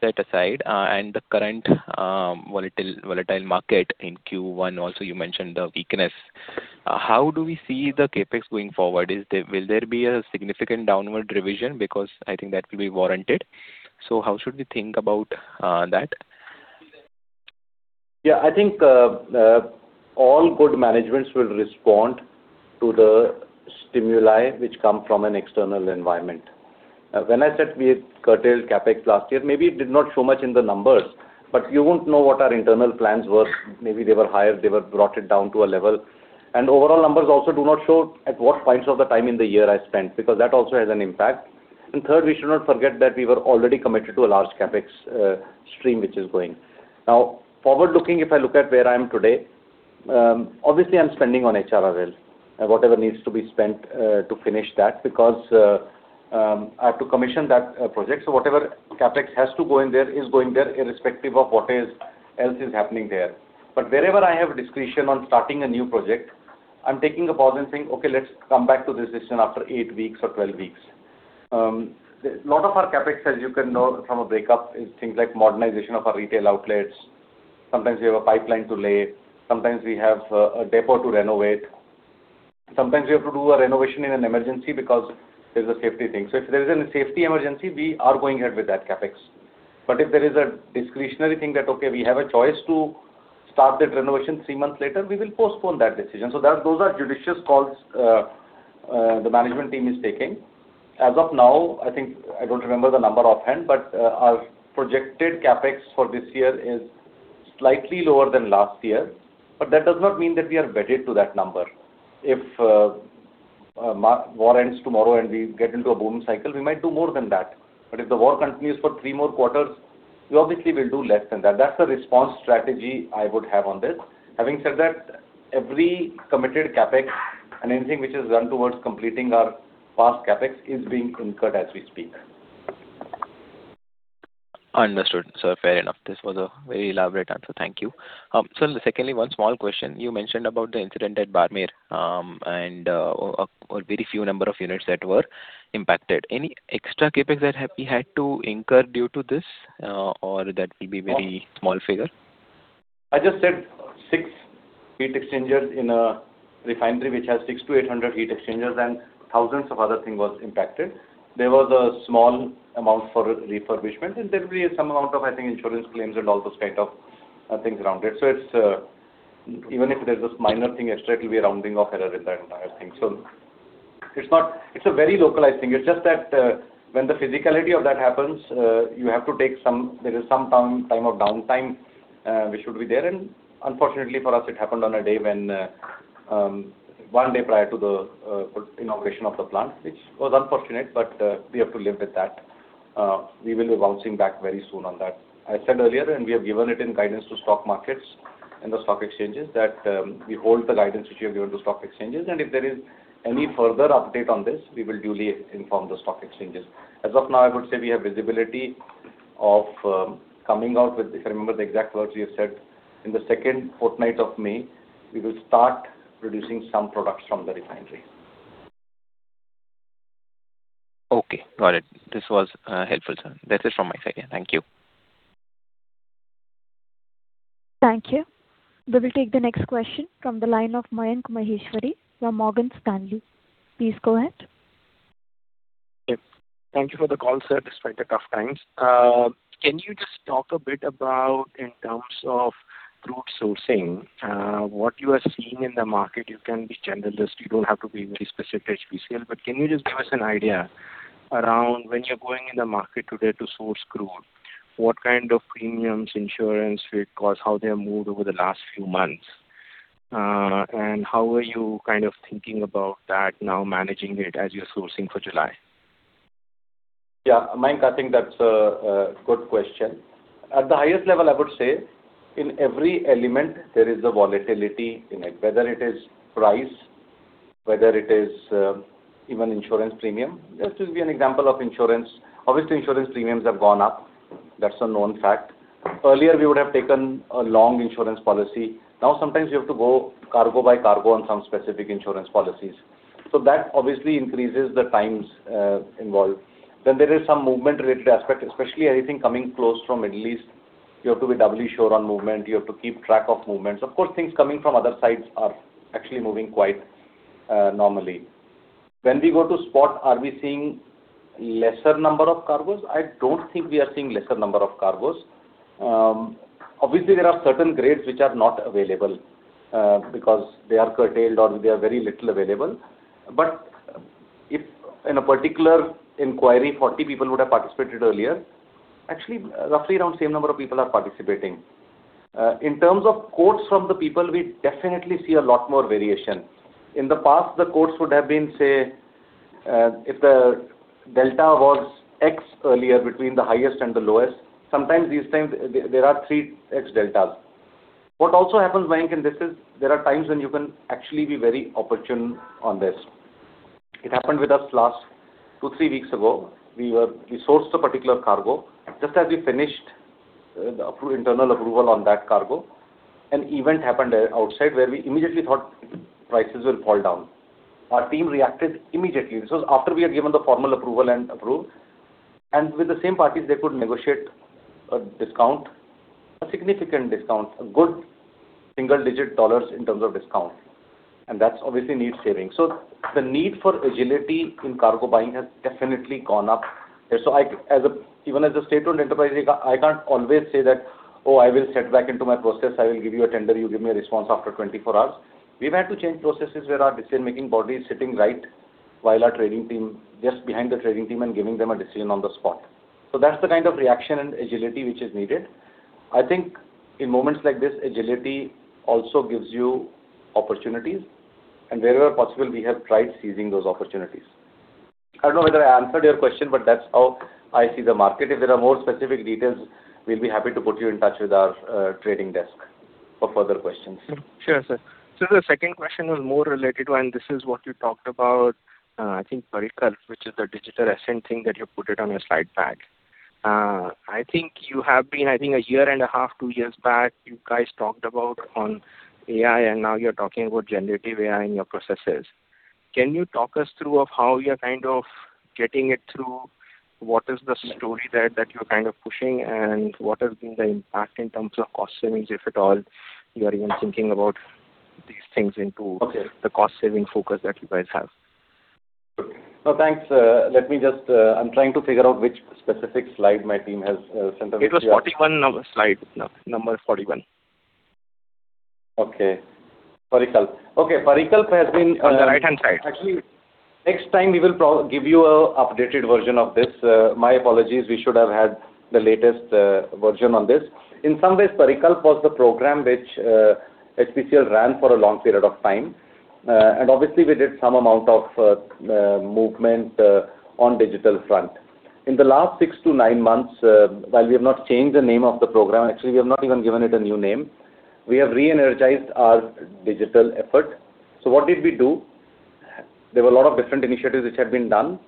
set aside, and the current volatile market in Q1 also, you mentioned the weakness. How do we see the CapEx going forward? Will there be a significant downward revision? I think that will be warranted. How should we think about that? Yeah. I think all good managements will respond to the stimuli which come from an external environment. When I said we had curtailed CapEx last year, maybe it did not show much in the numbers, but you won't know what our internal plans were. Maybe they were higher, they were brought it down to a level. Overall numbers also do not show at what points of the time in the year I spent, because that also has an impact. Third, we should not forget that we were already committed to a large CapEx stream which is going. Forward-looking, if I look at where I am today, obviously I'm spending on HRRL whatever needs to be spent to finish that because I have to commission that project. Whatever CapEx has to go in there is going there irrespective of what is else is happening there. Wherever I have discretion on starting a new project, I'm taking a pause and saying, "Okay, let's come back to this decision after eight weeks or 12 weeks." Lot of our CapEx, as you can know from a breakup, is things like modernization of our retail outlets. Sometimes we have a pipeline to lay. Sometimes we have a depot to renovate. Sometimes we have to do a renovation in an emergency because there's a safety thing. If there is any safety emergency, we are going ahead with that CapEx. If there is a discretionary thing that, okay, we have a choice to start that renovation three months later, we will postpone that decision. That, those are judicious calls the management team is taking. As of now, I think I don't remember the number offhand, but, our projected CapEx for this year is slightly lower than last year. That does not mean that we are vetted to that number. If war ends tomorrow and we get into a boom cycle, we might do more than that. If the war continues for three more quarters, we obviously will do less than that. That's the response strategy I would have on this. Having said that, every committed CapEx and anything which is done towards completing our past CapEx is being incurred as we speak. Understood, sir. Fair enough. This was a very elaborate answer. Thank you. Sir, secondly, one small question. You mentioned about the incident at Barmer, and a very few number of units that were impacted. Any extra CapEx we had to incur due to this, or that will be very small figure? I just said six heat exchangers in a refinery which has 600 to 800 heat exchangers and thousands of other thing was impacted. There was a small amount for refurbishment, and there will be some amount of, I think, insurance claims and all those kind of things around it. It's even if there's this minor thing extra, it will be a rounding off error in that entire thing. It's a very localized thing. It's just that when the physicality of that happens, you have to take there is some time of downtime which would be there. Unfortunately for us, it happened on a day when one day prior to the inauguration of the plant, which was unfortunate, but we have to live with that. We will be bouncing back very soon on that. I said earlier, and we have given it in guidance to stock markets and the stock exchanges that, we hold the guidance which we have given to stock exchanges, and if there is any further update on this, we will duly inform the stock exchanges. As of now, I would say we have visibility of, coming out with If I remember the exact words we have said, in the second fortnight of May, we will start producing some products from the refinery. Okay, got it. This was helpful, sir. That's it from my side. Yeah. Thank you. Thank you. We will take the next question from the line of Mayank Maheshwari from Morgan Stanley. Please go ahead. Yep. Thank you for the call, sir, despite the tough times. Can you just talk a bit about in terms of crude sourcing, what you are seeing in the market? You can be generalist. You don't have to be very specific, HPCL, but can you just give us an idea around when you're going in the market today to source crude, what kind of premiums, insurance, freight costs, how they have moved over the last few months? How are you kind of thinking about that now managing it as you're sourcing for July? Yeah, Mayank, I think that's a good question. At the highest level, I would say in every element there is a volatility in it, whether it is price, whether it is even insurance premium. Just to give you an example of insurance, obviously insurance premiums have gone up. That's a known fact. Earlier, we would have taken a long insurance policy. Now, sometimes you have to go cargo by cargo on some specific insurance policies. That obviously increases the times involved. There is some movement-related aspect, especially anything coming close from Middle East. You have to be doubly sure on movement. You have to keep track of movements. Of course, things coming from other sides are actually moving quite normally. When we go to spot, are we seeing lesser number of cargoes? I don't think we are seeing lesser number of cargoes. Obviously there are certain grades which are not available because they are curtailed or they are very little available. If in a particular inquiry 40 people would have participated earlier, actually roughly around same number of people are participating. In terms of quotes from the people, we definitely see a lot more variation. In the past, the quotes would have been, if the delta was X earlier between the highest and the lowest, sometimes these times there are 3X deltas. What also happens, Mayank, and this is there are times when you can actually be very opportune on this. It happened with us last two, three weeks ago. We sourced a particular cargo. Just as we finished approval, internal approval on that cargo, an event happened outside where we immediately thought prices will fall down. Our team reacted immediately. This was after we had given the formal approval and approved. With the same parties, they could negotiate a discount, a significant discount, a good single-digit USD in terms of discount, and that's obviously net saving. The need for agility in cargo buying has definitely gone up. I, even as a state-owned enterprise, I can't always say that, "Oh, I will set back into my process. I will give you a tender. You give me a response after 24 hours." We've had to change processes where our decision-making body is sitting right while our trading team, just behind the trading team and giving them a decision on the spot. That's the kind of reaction and agility which is needed. I think in moments like this, agility also gives you opportunities, and wherever possible, we have tried seizing those opportunities. I don't know whether I answered your question, but that's how I see the market. If there are more specific details, we'll be happy to put you in touch with our trading desk for further questions. Sure, sir. Sir, the second question was more related to, and this is what you talked about, I think Parikalp, which is the digital ascent thing that you put it on your slide pack. I think you have been, I think a year and a half, two years back, you guys talked about on AI, and now you're talking about generative AI in your processes. Can you talk us through of how you're kind of getting it through. What is the story there that you're kind of pushing, and what has been the impact in terms of cost savings, if at all you are even thinking about these things? Okay. The cost-saving focus that you guys have. No, thanks. let me just, I'm trying to figure out which specific slide my team has, sent over here. It was 41 slide, number 41. Okay. Parikalp. Okay, Parikalp has been, On the right-hand side. Actually, next time we will give you a updated version of this. My apologies, we should have had the latest version on this. In some ways, Parikalp was the program which HPCL ran for a long period of time. Obviously we did some amount of movement on digital front. In the last six to nine months, while we have not changed the name of the program, actually, we have not even given it a new name. We have re-energized our digital effort. What did we do? There were a lot of different initiatives which had been done,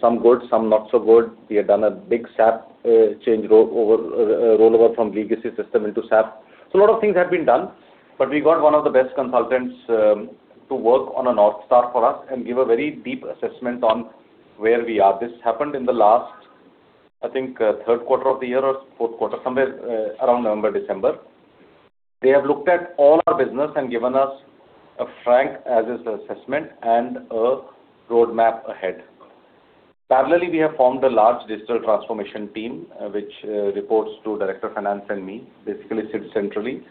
some good, some not so good. We had done a big SAP change rollover from legacy system into SAP. A lot of things have been done, but we got one of the best consultants to work on a North Star for us and give a very deep assessment on where we are. This happened in the last, I think, Q3 of the year or Q4, somewhere around November, December. They have looked at all our business and given us a frank as-is assessment and a roadmap ahead. Parallelly, we have formed a large digital transformation team, which reports to director of finance and me, basically sit centrally.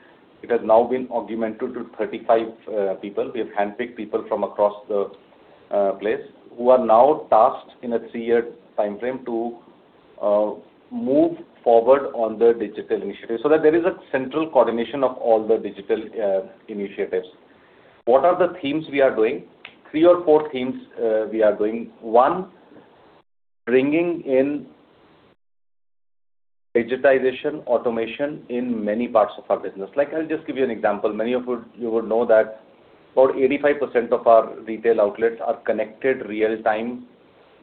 It has now been augmented to 35 people. We have handpicked people from across the place who are now tasked in a three-year timeframe to move forward on the digital initiative, so that there is a central coordination of all the digital initiatives. What are the themes we are doing? Three or four themes we are doing. One, bringing in digitization, automation in many parts of our business. Like, I'll just give you an example. Many of you would know that about 85% of our retail outlets are connected real-time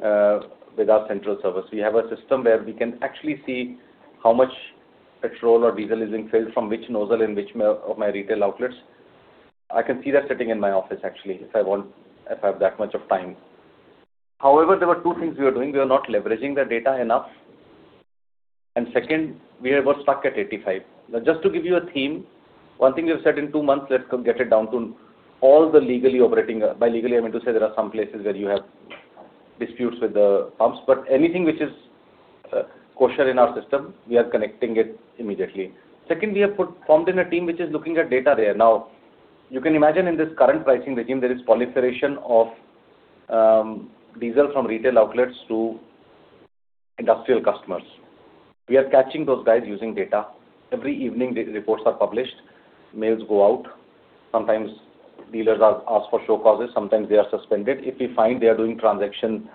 with our central servers. We have a system where we can actually see how much petrol or diesel is being filled from which nozzle in which of my retail outlets. I can see that sitting in my office actually, if I want, if I have that much of time. However, there were two things we were doing. We were not leveraging the data enough. Second, we have got stuck at 85%. Just to give you a theme, one thing we have said in two months, let's go get it down to all the legally operating, by legally, I mean to say there are some places where you have disputes with the pumps, but anything which is kosher in our system, we are connecting it immediately. We have formed a team which is looking at data there. You can imagine in this current pricing regime, there is proliferation of diesel from retail outlets to industrial customers. We are catching those guys using data. Every evening the reports are published, mails go out. Sometimes dealers are asked for show causes, sometimes they are suspended. If we find they are doing transaction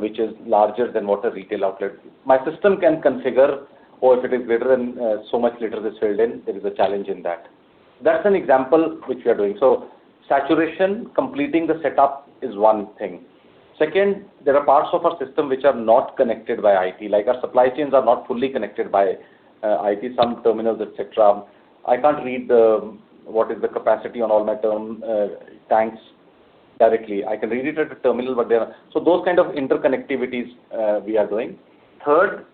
which is larger than what a retail outlet My system can configure or if it is greater than so much liter is filled in, there is a challenge in that. That's an example which we are doing. Saturation, completing the setup is one thing. Second, there are parts of our system which are not connected by IT. Like our supply chains are not fully connected by IT, some terminals, et cetera. I can't read what is the capacity on all my tanks directly. I can read it at the terminal, but they are. Those kind of interconnectivities we are doing. Third,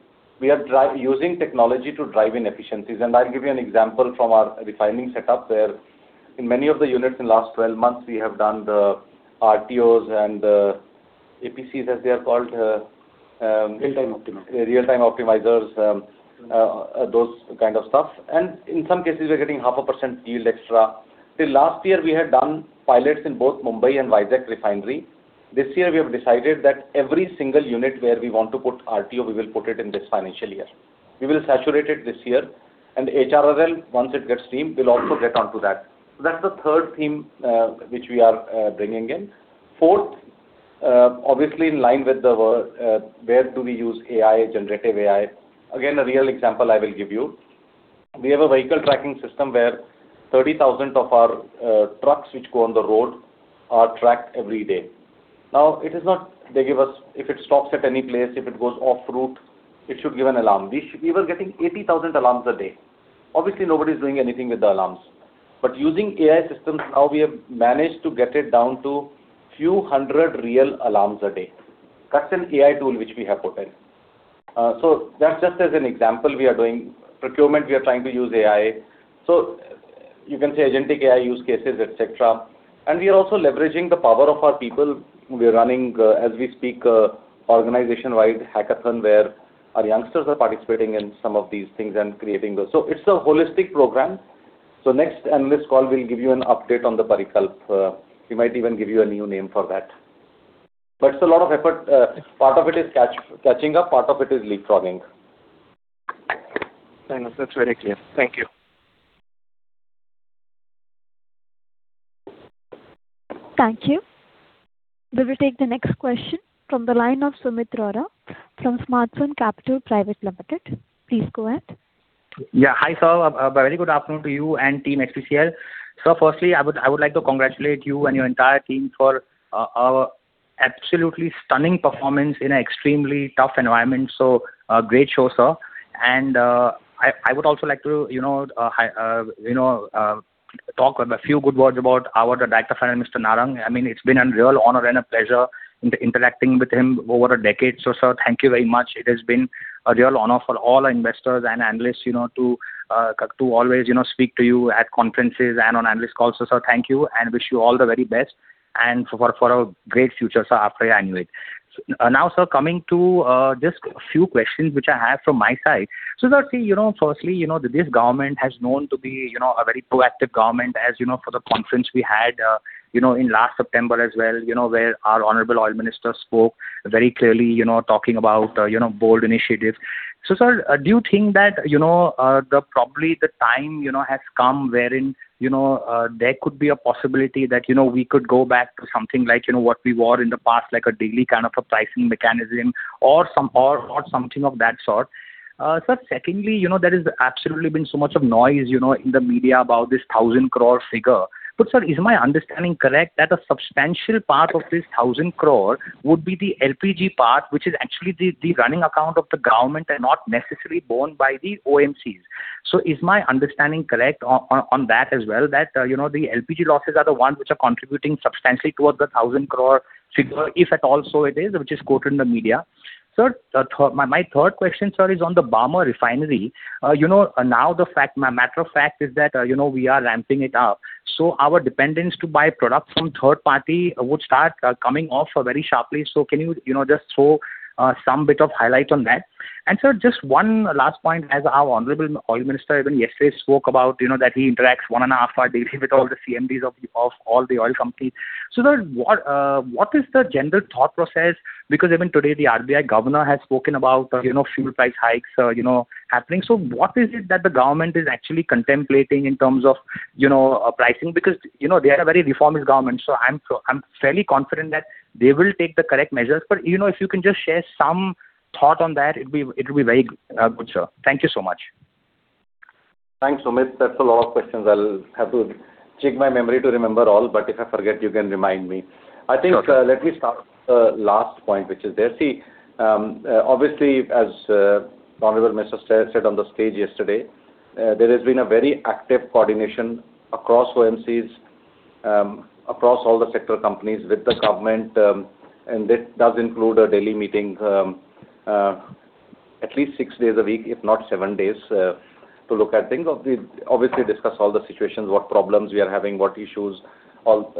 we are using technology to drive in efficiencies. I'll give you an example from our refining setup where in many of the units in last 12 months we have done the RTOs and APCs, as they are called. Real-time optimizers. Real-time optimizers, those kind of stuff. In some cases, we're getting half a percent yield extra. Till last year, we had done pilots in both Mumbai and Vizag refinery. This year we have decided that every single unit where we want to put RTO, we will put it in this financial year. We will saturate it this year. HRRL, once it gets steamed, we'll also get onto that. That's the third theme which we are bringing in. Fourth, obviously in line with the where do we use AI, generative AI. Again, a real example I will give you. We have a vehicle tracking system where 30,000 of our trucks which go on the road are tracked every day. It is not they give us if it stops at any place, if it goes off route, it should give an alarm. We were getting 80,000 alarms a day. Obviously, nobody's doing anything with the alarms. Using AI systems, now we have managed to get it down to few hundred real alarms a day. That's an AI tool which we have put in. That's just as an example we are doing. Procurement, we are trying to use AI. You can say agentic AI use cases, et cetera. We are also leveraging the power of our people. We are running, as we speak, organization-wide hackathon where our youngsters are participating in some of these things and creating those. It's a holistic program. Next analyst call, we'll give you an update on the Parikalp. We might even give you a new name for that. It's a lot of effort. Part of it is catching up, part of it is leapfrogging. Thanks. That's very clear. Thank you. Thank you. We will take the next question from the line of Sumeet Rohra from Smartsun Capital Private Limited. Please go ahead. Yeah. Hi, sir. A very good afternoon to you and team HPCL. Sir, firstly, I would like to congratulate you and your entire team for a absolutely stunning performance in an extremely tough environment. Great show, sir. I would also like to, you know, talk a few good words about our director friend, Mr. Narang. I mean, it's been a real honor and a pleasure interacting with him over a decade. Sir, thank you very much. It has been a real honor for all investors and analysts, you know, to always, you know, speak to you at conferences and on analyst calls. Sir, thank you, and wish you all the very best, and for a great future, sir, after your annual. Now, sir, coming to just a few questions which I have from my side. Sir, you know, firstly, you know, this government has known to be, you know, a very proactive government, as you know, for the conference we had, you know, in last September as well, you know, where our honorable oil minister spoke very clearly, you know, talking about, you know, bold initiatives. Sir, do you think that, you know, the probably the time, you know, has come wherein, you know, there could be a possibility that, you know, we could go back to something like, you know, what we were in the past, like a daily kind of a pricing mechanism or something of that sort? Sir, secondly, you know, there has absolutely been so much of noise, you know, in the media about this 1,000 crore figure. Sir, is my understanding correct that a substantial part of this 1,000 crore would be the LPG part, which is actually the running account of the government and not necessarily borne by the OMCs? Is my understanding correct on that as well, that, you know, the LPG losses are the ones which are contributing substantially towards the 1,000 crore figure, if at all so it is, which is quoted in the media? My third question, sir, is on the Barmer refinery. You know, now the fact, matter of fact is that, you know, we are ramping it up. Our dependence to buy product from third party would start coming off very sharply. Can you know, just throw some bit of highlight on that? Sir, just one last point, as our Honorable Oil Minister even yesterday spoke about, you know, that he interacts one and a half hour daily with all the CMDs of all the oil companies. Sir, what is the general thought process? Because even today, the RBI Governor has spoken about, you know, fuel price hikes, you know, happening. What is it that the government is actually contemplating in terms of, you know, pricing? You know, they are a very reformist government, so I'm fairly confident that they will take the correct measures. You know, if you can just share some thought on that, it would be very good, sir. Thank you so much. Thanks, Sumeet. That's a lot of questions. I'll have to check my memory to remember all, but if I forget, you can remind me. I think, let me start with the last point, which is there. See, obviously, as honorable minister said on the stage yesterday, there has been a very active coordination across OMCs, across all the sector companies with the government, and this does include a daily meeting, at least six days a week, if not seven days, to look at things, obviously discuss all the situations, what problems we are having, what issues, all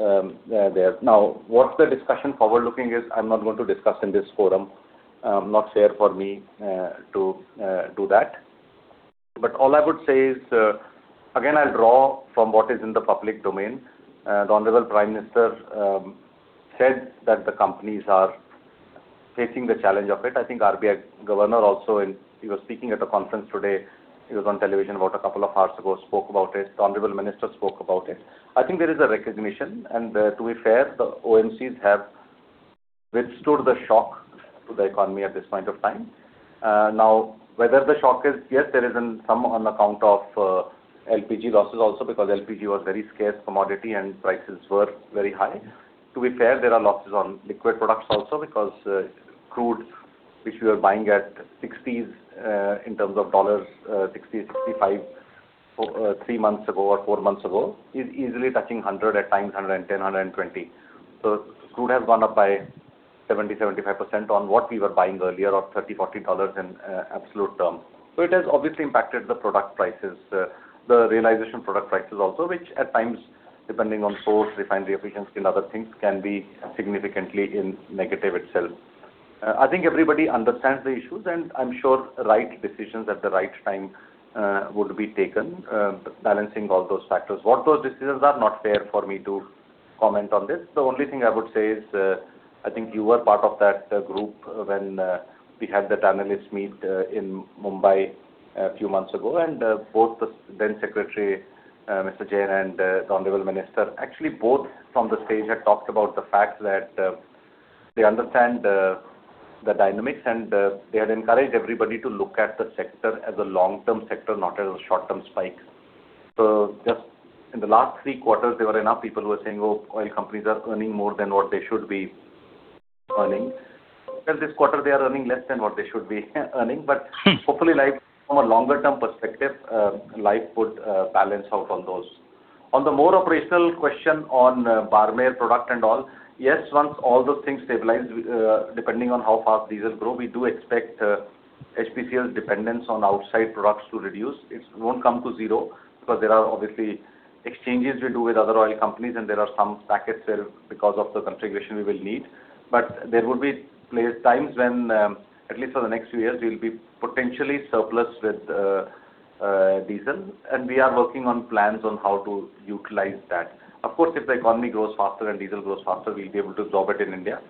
there. Now, what the discussion forward-looking is, I'm not going to discuss in this forum. Not fair for me to do that. All I would say is, again, I'll draw from what is in the public domain. The honorable Prime Minister said that the companies are facing the challenge of it. I think RBI Governor also he was speaking at a conference today. He was on television about a couple of hours ago, spoke about it. The Honorable Minister spoke about it. I think there is a recognition, and to be fair, the OMCs have withstood the shock to the economy at this point of time. Now, whether the shock is, yes, there is in some on account of LPG losses also, because LPG was very scarce commodity and prices were very high. To be fair, there are losses on liquid products also because crude, which we were buying at $60s in terms of dollars, $60-$65 three months ago or four months ago, is easily touching $100, at times $110, $120. Crude has gone up by 70%-75% on what we were buying earlier of $30-$40 in absolute terms. It has obviously impacted the product prices, the realization product prices also, which at times, depending on source, refinery efficiency and other things, can be significantly in negative itself. I think everybody understands the issues, and I am sure right decisions at the right time would be taken, balancing all those factors. What those decisions are, not fair for me to comment on this. The only thing I would say is, I think you were part of that group when we had that analyst meet in Mumbai a few months ago. Both the then secretary, Mr. Jain and the honorable minister, actually both from the stage had talked about the fact that they understand the dynamics, and they had encouraged everybody to look at the sector as a long-term sector, not as a short-term spike. Just in the last three quarters, there were enough people who were saying, "Oh, oil companies are earning more than what they should be earning." Well, this quarter they are earning less than what they should be earning. Hopefully life, from a longer term perspective, life would balance out all those. On the more operational question on Barmer product and all, yes, once all those things stabilize, depending on how fast diesel grow, we do expect HPCL's dependence on outside products to reduce. It won't come to zero, because there are obviously exchanges we do with other oil companies and there are some packets there because of the configuration we will need. There will be times when, at least for the next few years, we'll be potentially surplus with diesel, and we are working on plans on how to utilize that. Of course, if the economy grows faster and diesel grows faster, we'll be able to absorb it in India.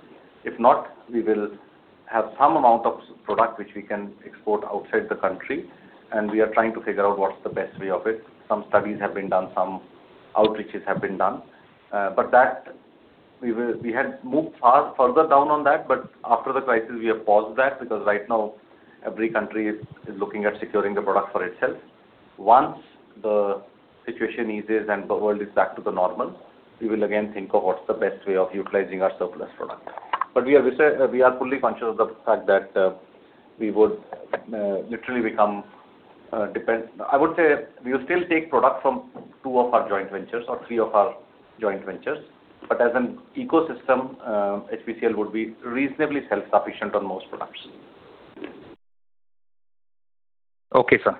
If not, we will have some amount of product which we can export outside the country, and we are trying to figure out what's the best way of it. Some studies have been done, some outreaches have been done. That we had moved far further down on that, but after the crisis, we have paused that, because right now every country is looking at securing the product for itself. Once the situation eases and the world is back to the normal, we will again think of what's the best way of utilizing our surplus product. We are fully conscious of the fact that we would literally become I would say we will still take product from two of our joint ventures or three of our joint ventures. As an ecosystem, HPCL would be reasonably self-sufficient on most products. Okay, sir.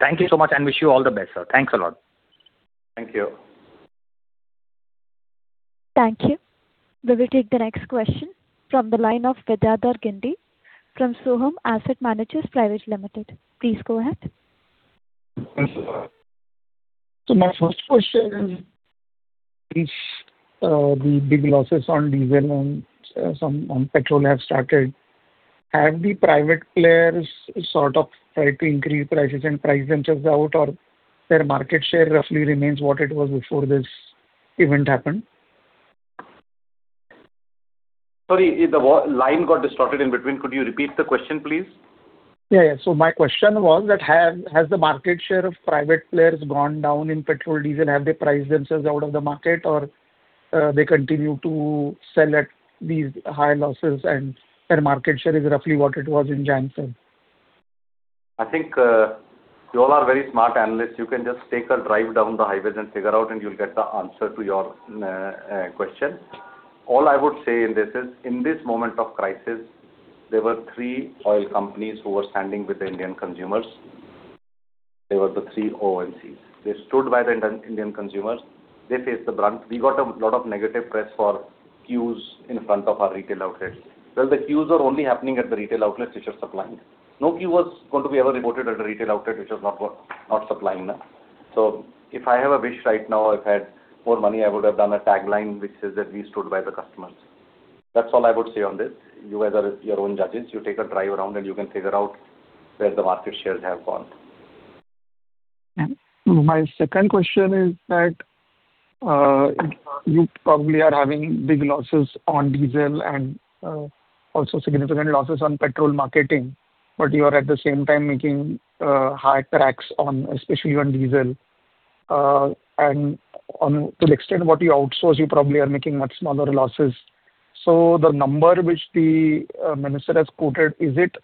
Thank you so much and wish you all the best, sir. Thanks a lot. Thank you. Thank you. We will take the next question from the line of Vidyadhar Ginde from Sohum Asset Managers Private Limited. Please go ahead. Thanks a lot. My first question is, the big losses on diesel and some on petrol have started. Have the private players sort of tried to increase prices and price themselves out or their market share roughly remains what it was before this event happened? Sorry, the voice line got distorted in between. Could you repeat the question, please? Yeah, yeah. My question was that has the market share of private players gone down in petrol, diesel? Have they priced themselves out of the market or, they continue to sell at these high losses and their market share is roughly what it was in January-February? I think you all are very smart analysts. You can just take a drive down the highways and figure out, and you'll get the answer to your question. All I would say in this is, in this moment of crisis, there were three oil companies who were standing with the Indian consumers. They were the three OMCs. They stood by the Indian consumers. They faced the brunt. We got a lot of negative press for queues in front of our retail outlets. Well, the queues are only happening at the retail outlets which are supplying. No queue was going to be ever reported at a retail outlet which was not supplying. If I have a wish right now, if I had more money, I would have done a tagline which says that we stood by the customers. That's all I would say on this. You guys are your own judges. You take a drive around and you can figure out where the market shares have gone. My second question is that, you probably are having big losses on diesel and also significant losses on petrol marketing, but you are at the same time making high cracks on, especially on diesel. To the extent what you outsource, you probably are making much smaller losses. The number which the minister has quoted, is it,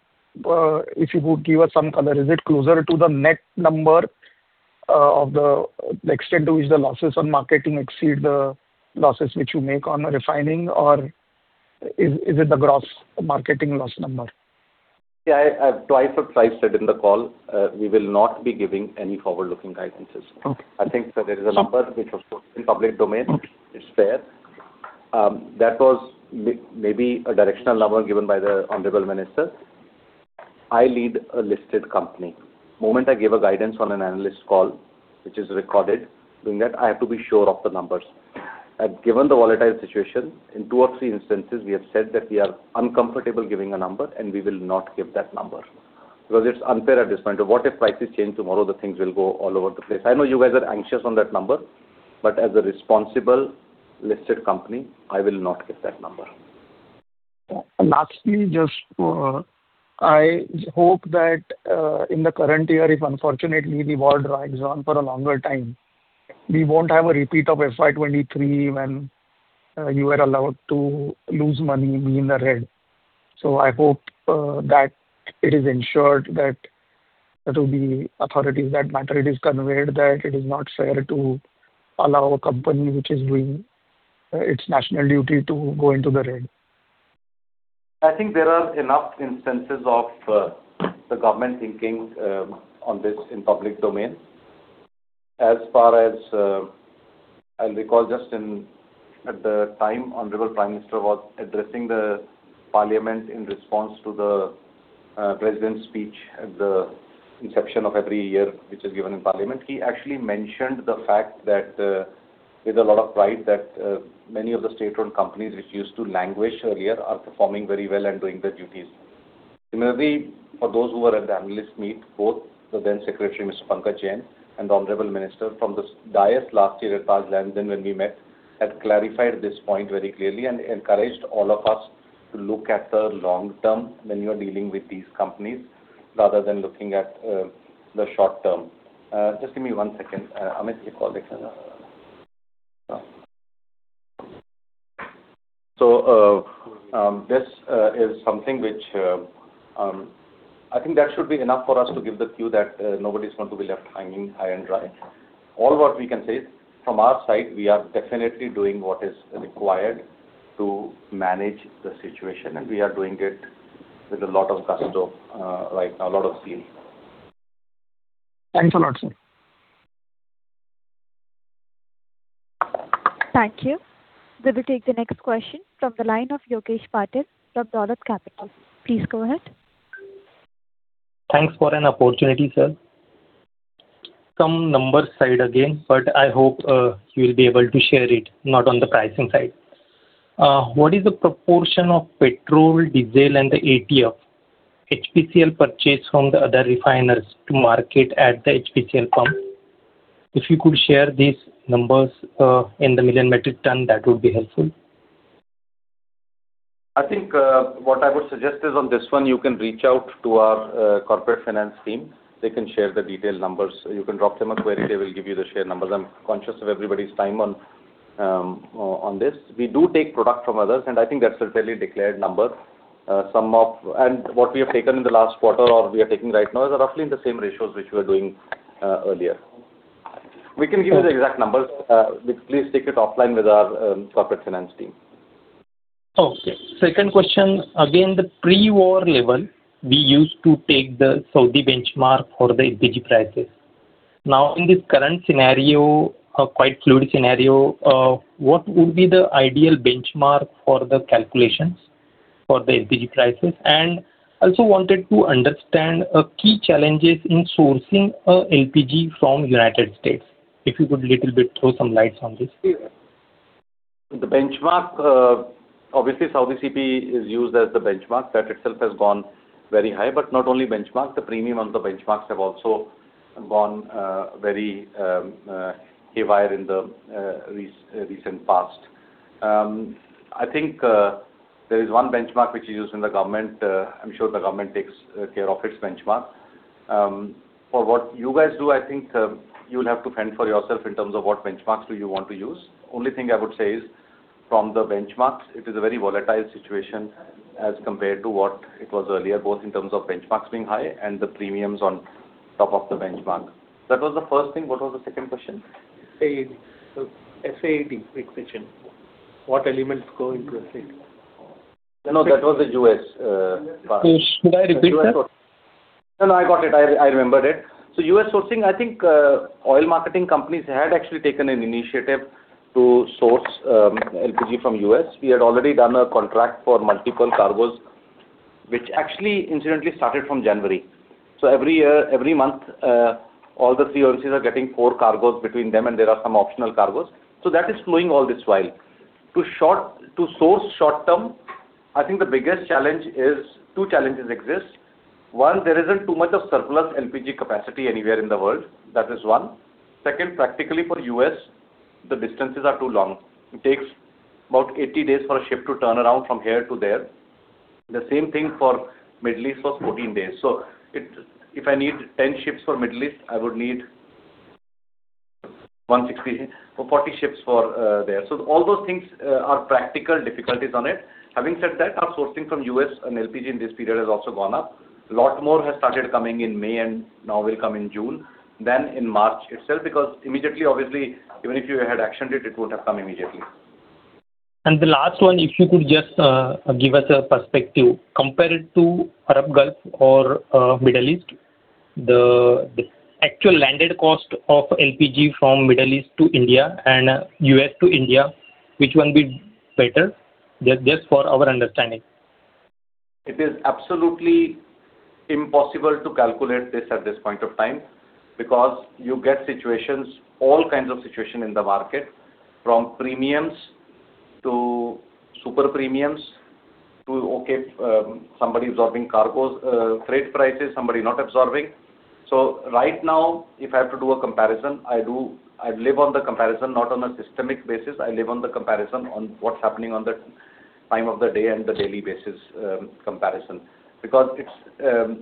if you could give us some color, is it closer to the net number of the extent to which the losses on marketing exceed the losses which you make on refining or is it the gross marketing loss number? I've twice or thrice said in the call, we will not be giving any forward-looking guidances. Okay. I think that there is a number which was put in public domain. Okay. It's there. That was maybe a directional number given by the honorable minister. I lead a listed company. Moment I give a guidance on an analyst call, which is recorded, doing that, I have to be sure of the numbers. Given the volatile situation, in two or three instances, we have said that we are uncomfortable giving a number, and we will not give that number because it's unfair at this point. What if prices change tomorrow? The things will go all over the place. I know you guys are anxious on that number, but as a responsible listed company, I will not give that number. Lastly, just, I hope that, in the current year, if unfortunately the war drags on for a longer time, we won't have a repeat of FY 2023 when, you were allowed to lose money, be in the red. I hope, that it is ensured that to the authorities that matter, it is conveyed that it is not fair to allow a company which is doing, its national duty to go into the red. I think there are enough instances of the government thinking on this in public domain. As far as I'll recall just at the time Honorable Prime Minister was addressing the Parliament in response to the President's speech at the inception of every year, which is given in Parliament. He actually mentioned the fact that with a lot of pride that many of the state-run companies which used to languish earlier are performing very well and doing their duties. Similarly, for those who were at the analyst meet, both the then Secretary, Mr. Pankaj Jain, and the Honorable Minister from the dais last year at Taj Lands End when we met, had clarified this point very clearly and encouraged all of us to look at the long term when you are dealing with these companies rather than looking at the short term. Just give me one second. Amit, recall this, yeah. This is something which I think that should be enough for us to give the cue that nobody's going to be left hanging high and dry. All what we can say is from our side, we are definitely doing what is required to manage the situation, and we are doing it with a lot of gusto, right now, a lot of zeal. Thanks a lot, sir. Thank you. We will take the next question from the line of Yogesh Patil from Dolat Capital. Please go ahead. Thanks for an opportunity, sir. Some numbers side again, I hope you will be able to share it, not on the pricing side. What is the proportion of petrol, diesel and the ATF HPCL purchased from the other refiners to market at the HPCL pump? If you could share these numbers in the million metric ton, that would be helpful. I think, what I would suggest is on this one, you can reach out to our Corporate Finance team. They can share the detailed numbers. You can drop them a query, they will give you the share numbers. I'm conscious of everybody's time on this. We do take product from others, and I think that's a fairly declared number. Some of what we have taken in the last quarter or we are taking right now is roughly in the same ratios which we were doing earlier. We can give you the exact numbers. Please take it offline with our Corporate Finance team. Okay. Second question. Again, the pre-war level, we used to take the Saudi benchmark for the LPG prices. In this current scenario, a quite fluid scenario, what would be the ideal benchmark for the calculations for the LPG prices? Also wanted to understand key challenges in sourcing LPG from United States. If you could little bit throw some light on this. The benchmark, obviously Saudi CP is used as the benchmark. That itself has gone very high. Not only benchmark, the premium on the benchmarks have also gone very haywire in the recent past. I think, there is one benchmark which is used in the government. I'm sure the government takes care of its benchmark. For what you guys do, I think, you'll have to fend for yourself in terms of what benchmarks do you want to use. Only thing I would say is from the benchmarks, it is a very volatile situation as compared to what it was earlier, both in terms of benchmarks being high and the premiums on top of the benchmark. That was the first thing. What was the second question? SAED. SAED, quick question. What elements go into SAED? No, no, that was the U.S. part. Should I repeat that? No, no, I got it. I remembered it. U.S. sourcing, I think, oil marketing companies had actually taken an initiative to source LPG from U.S. We had already done a contract for multiple cargoes, which actually incidentally started from January. Every month, all the three entities are getting four cargoes between them, and there are some optional cargoes. That is flowing all this while. To source short-term, I think the biggest challenge is two challenges exist. One, there isn't too much of surplus LPG capacity anywhere in the world. That is one. Second, practically for U.S., the distances are too long. It takes about 80 days for a ship to turn around from here to there. The same thing for Middle East was 14 days. If I need 10 ships for Middle East, I would need 160, or 40 ships for there. All those things are practical difficulties on it. Having said that, our sourcing from U.S. on LPG in this period has also gone up. Lot more has started coming in May, and now will come in June than in March itself. Because immediately, obviously, even if you had actioned it would have come immediately. The last one, if you could just give us a perspective, compare it to Arab Gulf or Middle East, the actual landed cost of LPG from Middle East to India and U.S. to India, which one be better? Just for our understanding. It is absolutely impossible to calculate this at this point of time because you get situations, all kinds of situation in the market, from premiums to super premiums to, okay, somebody absorbing cargoes, freight prices, somebody not absorbing. Right now, if I have to do a comparison, I live on the comparison, not on a systemic basis. I live on the comparison on what's happening on the time of the day and the daily basis, comparison. It's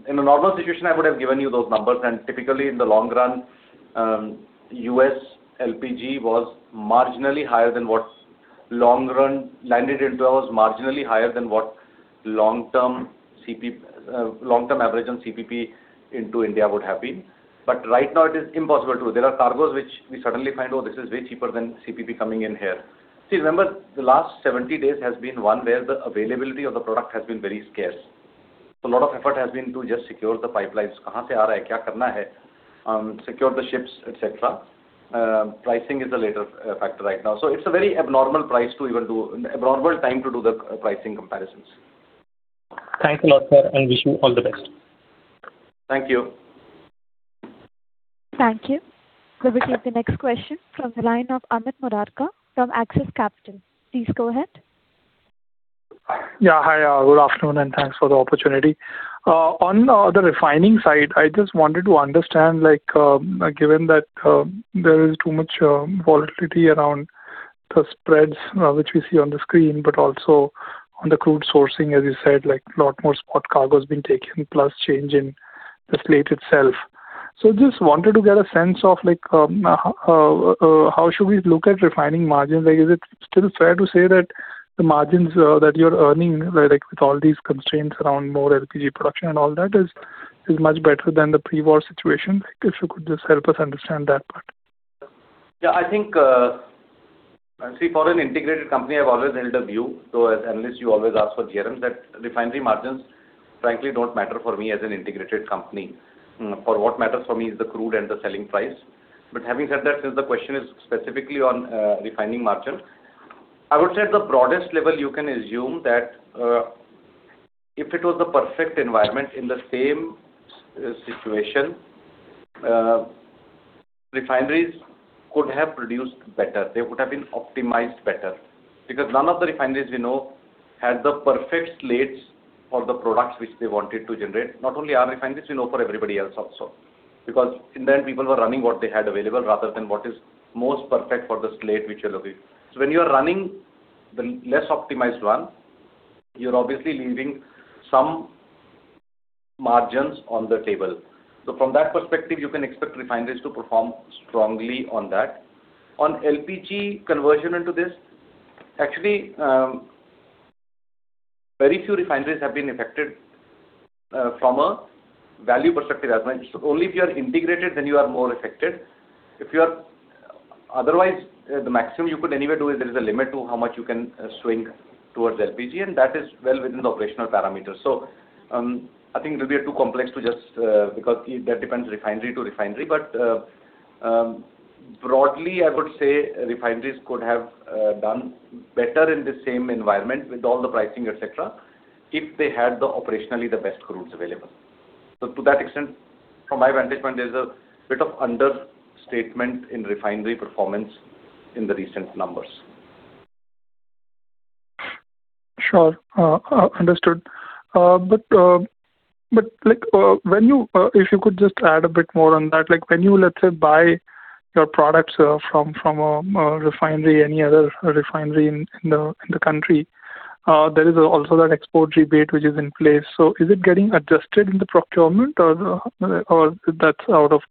In a normal situation, I would have given you those numbers, and typically in the long run, U.S. LPG was marginally higher than what long run landed into was marginally higher than what long-term CP, long-term average on CPP into India would have been. Right now it is impossible to. There are cargoes which we suddenly find, oh, this is way cheaper than CPP coming in here. Remember, the last 70 days has been one where the availability of the product has been very scarce. A lot of effort has been to just secure the pipelines. Secure the ships, et cetera. Pricing is a later factor right now. It's a very abnormal time to do the pricing comparisons. Thanks a lot, sir, and wish you all the best. Thank you. Thank you. We will take the next question from the line of Amit Murarka from Axis Capital. Please go ahead. Yeah. Hi, good afternoon, and thanks for the opportunity. On the refining side, I just wanted to understand, like, given that there is too much volatility around the spreads, which we see on the screen, but also on the crude sourcing, as you said, like lot more spot cargo has been taken, plus change in the slate itself. Just wanted to get a sense of like, how should we look at refining margins? Like is it still fair to say that the margins, that you're earning, like with all these constraints around more LPG production and all that is much better than the pre-war situation? If you could just help us understand that part. Yeah, I think, see, for an integrated company, I've always held a view, though as analysts you always ask for GRMs, that refinery margins frankly don't matter for me as an integrated company. For what matters for me is the crude and the selling price. Having said that, since the question is specifically on refining margin, I would say at the broadest level, you can assume that if it was the perfect environment in the same situation, refineries could have produced better. They would have been optimized better. None of the refineries we know had the perfect slates for the products which they wanted to generate. Not only our refineries, we know for everybody else also. In then people were running what they had available rather than what is most perfect for the slate which will be When you are running the less optimized one, you're obviously leaving some margins on the table. From that perspective, you can expect refineries to perform strongly on that. On LPG conversion into this, actually, very few refineries have been affected from a value perspective as much. Only if you are integrated, then you are more affected. Otherwise, the maximum you could anywhere do is there is a limit to how much you can swing towards LPG, and that is well within the operational parameters. I think it will be too complex to just, because that depends refinery to refinery. Broadly, I would say refineries could have done better in the same environment with all the pricing, et cetera, if they had the operationally the best crudes available. To that extent, from my vantage point, there's a bit of understatement in refinery performance in the recent numbers. Sure. Understood. If you could just add a bit more on that, like when you, let's say, buy your products from a refinery, any other refinery in the country, there is also that export rebate which is in place. Is it getting adjusted in the procurement or that's out of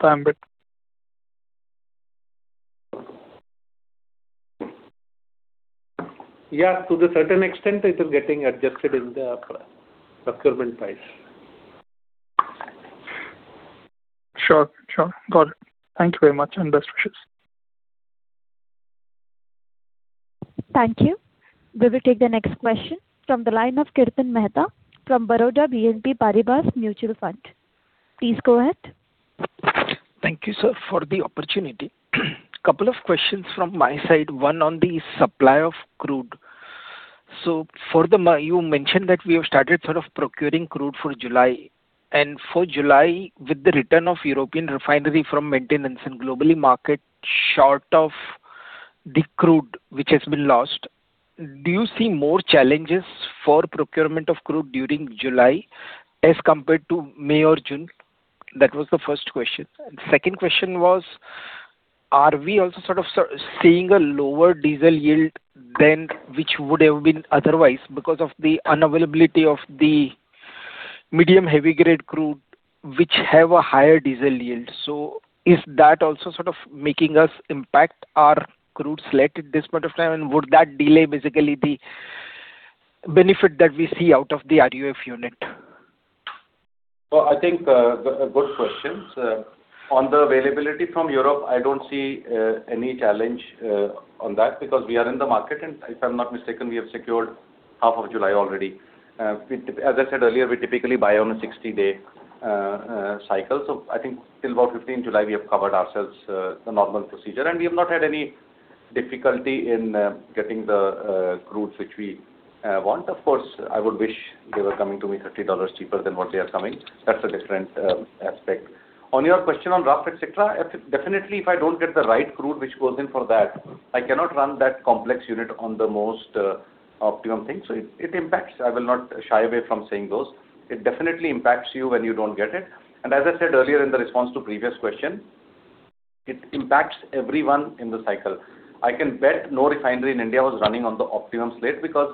the ambit? Yeah, to a certain extent it is getting adjusted in the procurement price. Sure. Sure. Got it. Thank you very much, and best wishes. Thank you. We will take the next question from the line of Kirtan Mehta from Baroda BNP Paribas Mutual Fund. Please go ahead. Thank you, sir, for the opportunity. Couple of questions from my side, one on the supply of crude. You mentioned that we have started sort of procuring crude for July. For July, with the return of European refinery from maintenance and globally market short of the crude which has been lost, do you see more challenges for procurement of crude during July as compared to May or June? That was the first question. Second question was, are we also sort of seeing a lower diesel yield than which would have been otherwise because of the unavailability of the medium heavy-grade crude which have a higher diesel yield? Is that also sort of making us impact our crude slate at this point of time? Would that delay basically the benefit that we see out of the RUF unit? Well, I think good questions. On the availability from Europe, I don't see any challenge on that because we are in the market. If I'm not mistaken, we have secured half of July already. As I said earlier, we typically buy on a 60-day cycle. I think till about 15 July, we have covered ourselves, the normal procedure. We have not had any difficulty in getting the crudes which we want. Of course, I would wish they were coming to me $30 cheaper than what they are coming. That's a different aspect. On your question on RUF et cetera, definitely, if I don't get the right crude which goes in for that, I cannot run that complex unit on the most optimum thing. It impacts. I will not shy away from saying those. It definitely impacts you when you don't get it. As I said earlier in the response to previous question, it impacts everyone in the cycle. I can bet no refinery in India was running on the optimum slate because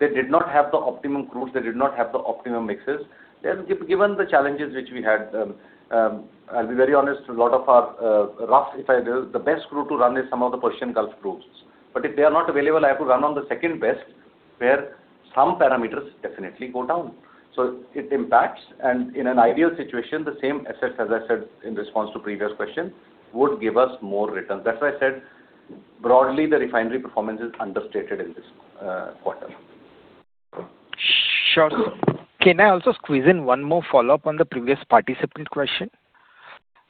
they did not have the optimum crudes, they did not have the optimum mixes. Given the challenges which we had, I'll be very honest, The best crude to run is some of the Persian Gulf crudes. If they are not available, I have to run on the second best, where some parameters definitely go down. It impacts. In an ideal situation, the same assets, as I said in response to previous question, would give us more returns. That is why I said broadly the refinery performance is understated in this quarter. Sure, sir. Can I also squeeze in one more follow-up on the previous participant question?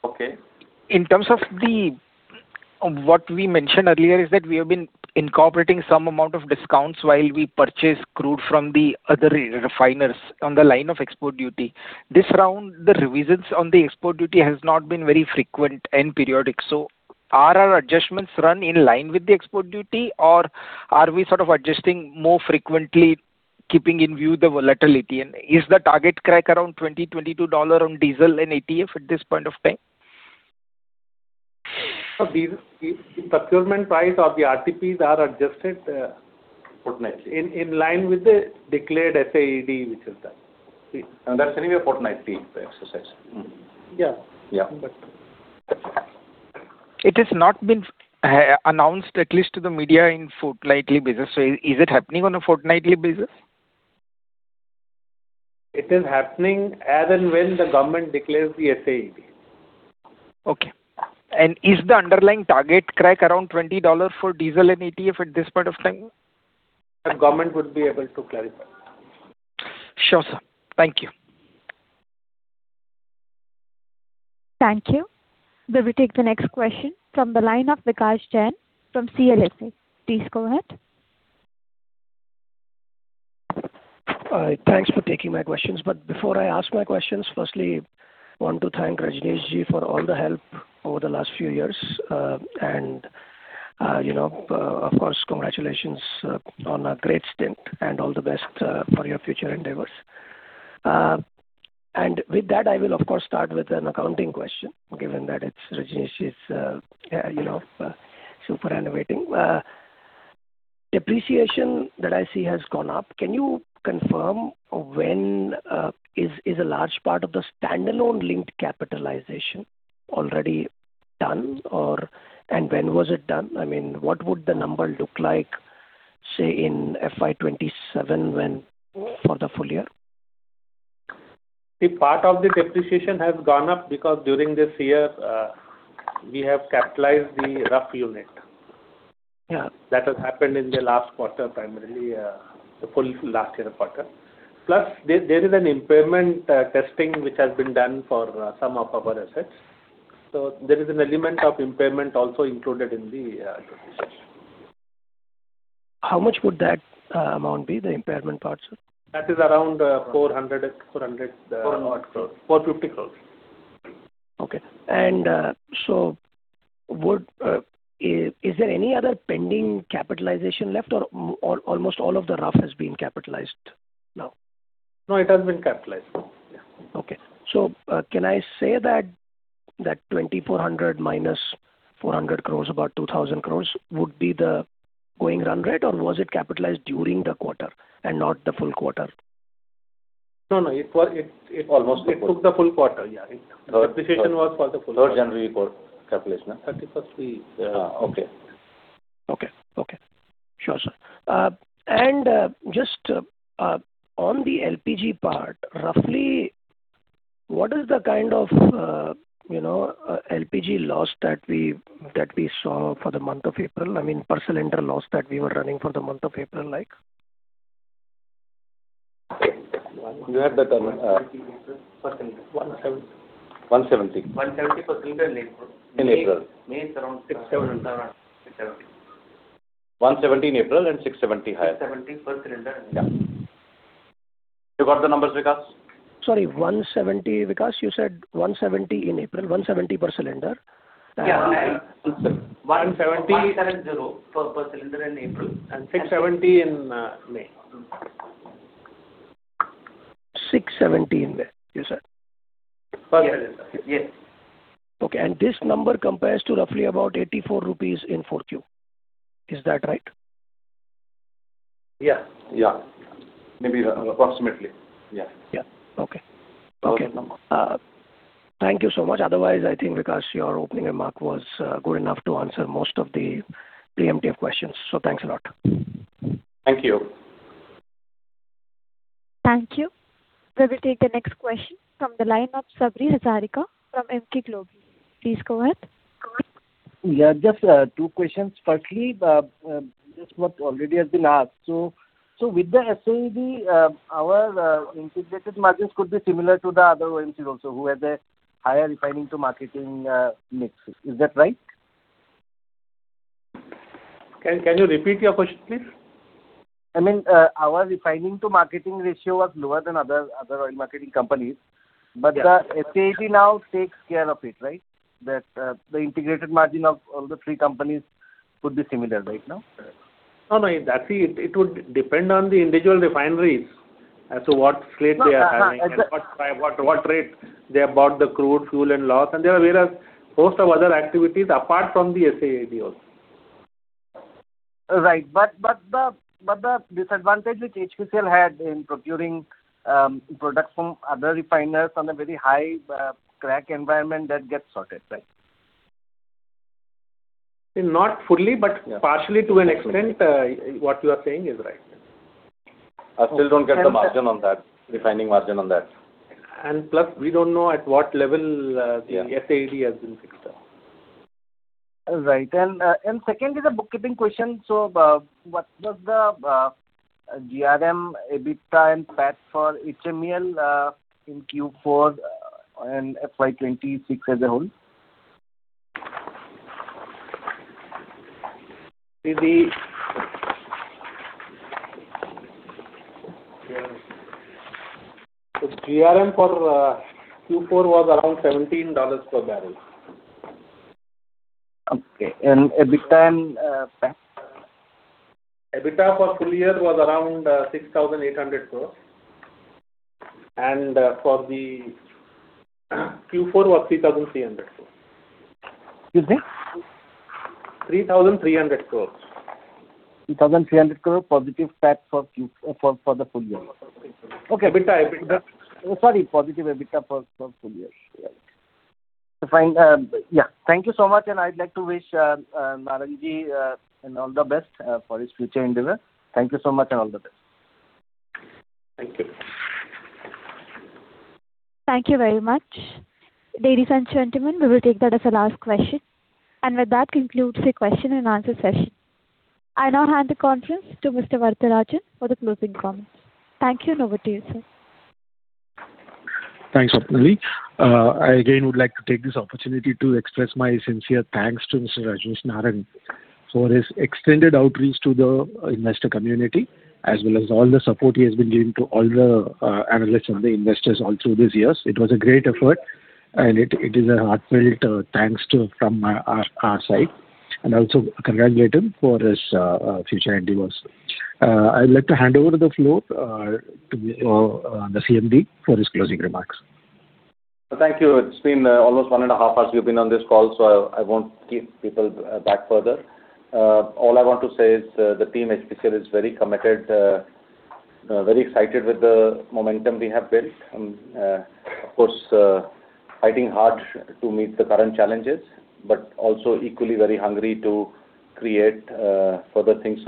Okay. In terms of the What we mentioned earlier is that we have been incorporating some amount of discounts while we purchase crude from the other refiners on the line of export duty. This round, the revisions on the export duty has not been very frequent and periodic. Are our adjustments run in line with the export duty or are we sort of adjusting more frequently, keeping in view the volatility? Is the target crack around $20-$22 on diesel and ATF at this point of time? Diesel, the procurement price of the RTPs are adjusted. Fortnightly In line with the declared SAED which is done. That's anyway fortnightly, the exercise. Yeah. Yeah. It has not been announced at least to the media in fortnightly basis. Is it happening on a fortnightly basis? It is happening as and when the government declares the SAED. Okay. Is the underlying target crack around $20 for diesel and ATF at this point of time? The government would be able to clarify. Sure, sir. Thank you. Thank you. We will take the next question from the line of Vikash Jain from CLSA. Please go ahead. Thanks for taking my questions. Before I ask my questions, firstly, I want to thank Rajneesh for all the help over the last few years, of course, congratulations on a great stint, and all the best for your future endeavors. With that, I will of course start with an accounting question, given that it's Rajneesh's superannuating. Depreciation that I see has gone up. Can you confirm when a large part of the standalone linked capitalization already done, or when was it done? What would the number look like, say, in FY 2027 when, for the full-year? The part of the depreciation has gone up because during this year, we have capitalized the RFCC unit. Yeah. That has happened in the last quarter, primarily, the full last year quarter. There is an impairment testing, which has been done for some of our assets. There is an element of impairment also included in the depreciation. How much would that amount be, the impairment part, sir? That is around 400 crores. 400 crores. 450 crores. Okay. Is there any other pending capitalization left or almost all of the RUF has been capitalized now? No, it has been capitalized. Okay. Can I say that 2,400 minus 400 crores, about 2,000 crores would be the going run rate, or was it capitalized during the quarter and not the full quarter? No, no, it was. Almost the full. It took the full quarter. Yeah. Depreciation was for the full quarter. 3rd January quarter calculation. 31st we... Yeah. Okay. Okay. Okay. Sure, sir. Just, on the LPG part, roughly what is the kind of, you know, LPG loss that we saw for the month of April? I mean, per cylinder loss that we were running for the month of April like. You had the- 170 per cylinder. 170. 170 per cylinder in April. In April. May is around INR 670 around. 670. 170 in April and 670 higher. 670 per cylinder in April. Yeah. You got the numbers, Vikash? Sorry, 170. Vikas, you said 170 in April. 170 per cylinder? Yeah. 170. 170 per cylinder in April and 670 in May. 670 in May, you said. Per cylinder. Yeah. Yeah. Okay. This number compares to roughly about 84 rupees in 4Q. Is that right? Yeah. Yeah. Maybe approximately. Yeah. Yeah. Okay. Okay. Thank you so much. Otherwise, I think, Vikas, your opening remark was good enough to answer most of the preemptive questions. Thanks a lot. Thank you. Thank you. We will take the next question from the line of Sabri Hazarika from Emkay Global. Please go ahead. Just two questions. Firstly, just what already has been asked. With the SAED, our integrated margins could be similar to the other OMCs also who have a higher refining to marketing mix. Is that right? Can you repeat your question, please? I mean, our refining to marketing ratio was lower than other oil marketing companies. Yeah. The SAED now takes care of it, right? The integrated margin of all the three companies could be similar right now. No, no. Actually, it would depend on the individual refineries as to what slate they are having. What rate they have bought the crude fuel and loss. There are various host of other activities apart from the SAED also. Right. The disadvantage which HPCL had in procuring products from other refiners on a very high crack environment, that gets sorted, right? Not fully- Yeah. Partially to an extent, what you are saying is right. I still don't get the margin on that, refining margin on that. Plus we don't know at what level. Yeah. The SAED has been fixed up. Right. Second is a bookkeeping question. What was the GRM, EBITDA and PAT for HMEL in Q4 and FY 2026 as a whole? The GRM for Q4 was around $17 per barrel. Okay. EBITDA and PAT? EBITDA for full-year was around 6,800 crores. For the Q4 was 3,300 crores. Excuse me? 3,300 crores. 3,300 crore positive PAT for the full-year. Okay. EBITDA. Sorry, positive EBITDA for full-year. Yeah. Fine. Yeah. Thank you so much, and I'd like to wish Narang, and all the best for his future endeavor. Thank you so much and all the best. Thank you. Thank you very much. Ladies and gentlemen, we will take that as the last question. With that concludes the question-and-answer session. I now hand the conference to Mr. Varatharajan for the closing comments. Thank you, and over to you, sir. Thanks, Swapnali. I again would like to take this opportunity to express my sincere thanks to Mr. Rajneesh Narang for his extended outreach to the investor community, as well as all the support he has been giving to all the analysts and the investors all through these years. It was a great effort, and it is a heartfelt thanks from our side, and I also congratulate him for his future endeavors. I would like to hand over the floor to the CMD for his closing remarks. Thank you. It's been almost one and a half hours we've been on this call, so I won't keep people back further. All I want to say is the team HPCL is very committed, very excited with the momentum we have built. Of course, fighting hard to meet the current challenges, but also equally very hungry to create further things.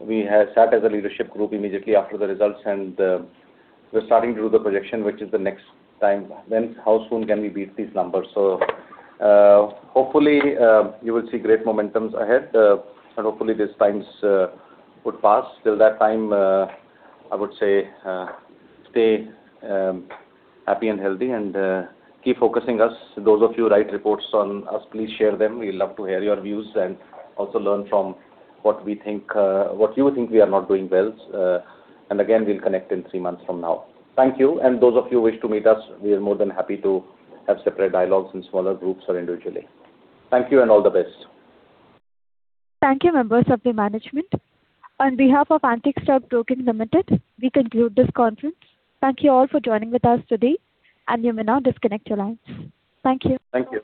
We have sat as a leadership group immediately after the results, and we're starting to do the projection, which is the next time when, how soon can we beat these numbers. Hopefully, you will see great momentums ahead, and hopefully these times would pass. Till that time, I would say, stay happy and healthy and keep focusing us. Those of you who write reports on us, please share them. We love to hear your views and also learn from what we think, what you think we are not doing well. Again, we'll connect in three months from now. Thank you. Those of you who wish to meet us, we are more than happy to have separate dialogues in smaller groups or individually. Thank you and all the best. Thank you, members of the management. On behalf of Antique Stock Broking Limited, we conclude this conference. Thank you all for joining with us today, and you may now disconnect your lines. Thank you. Thank you.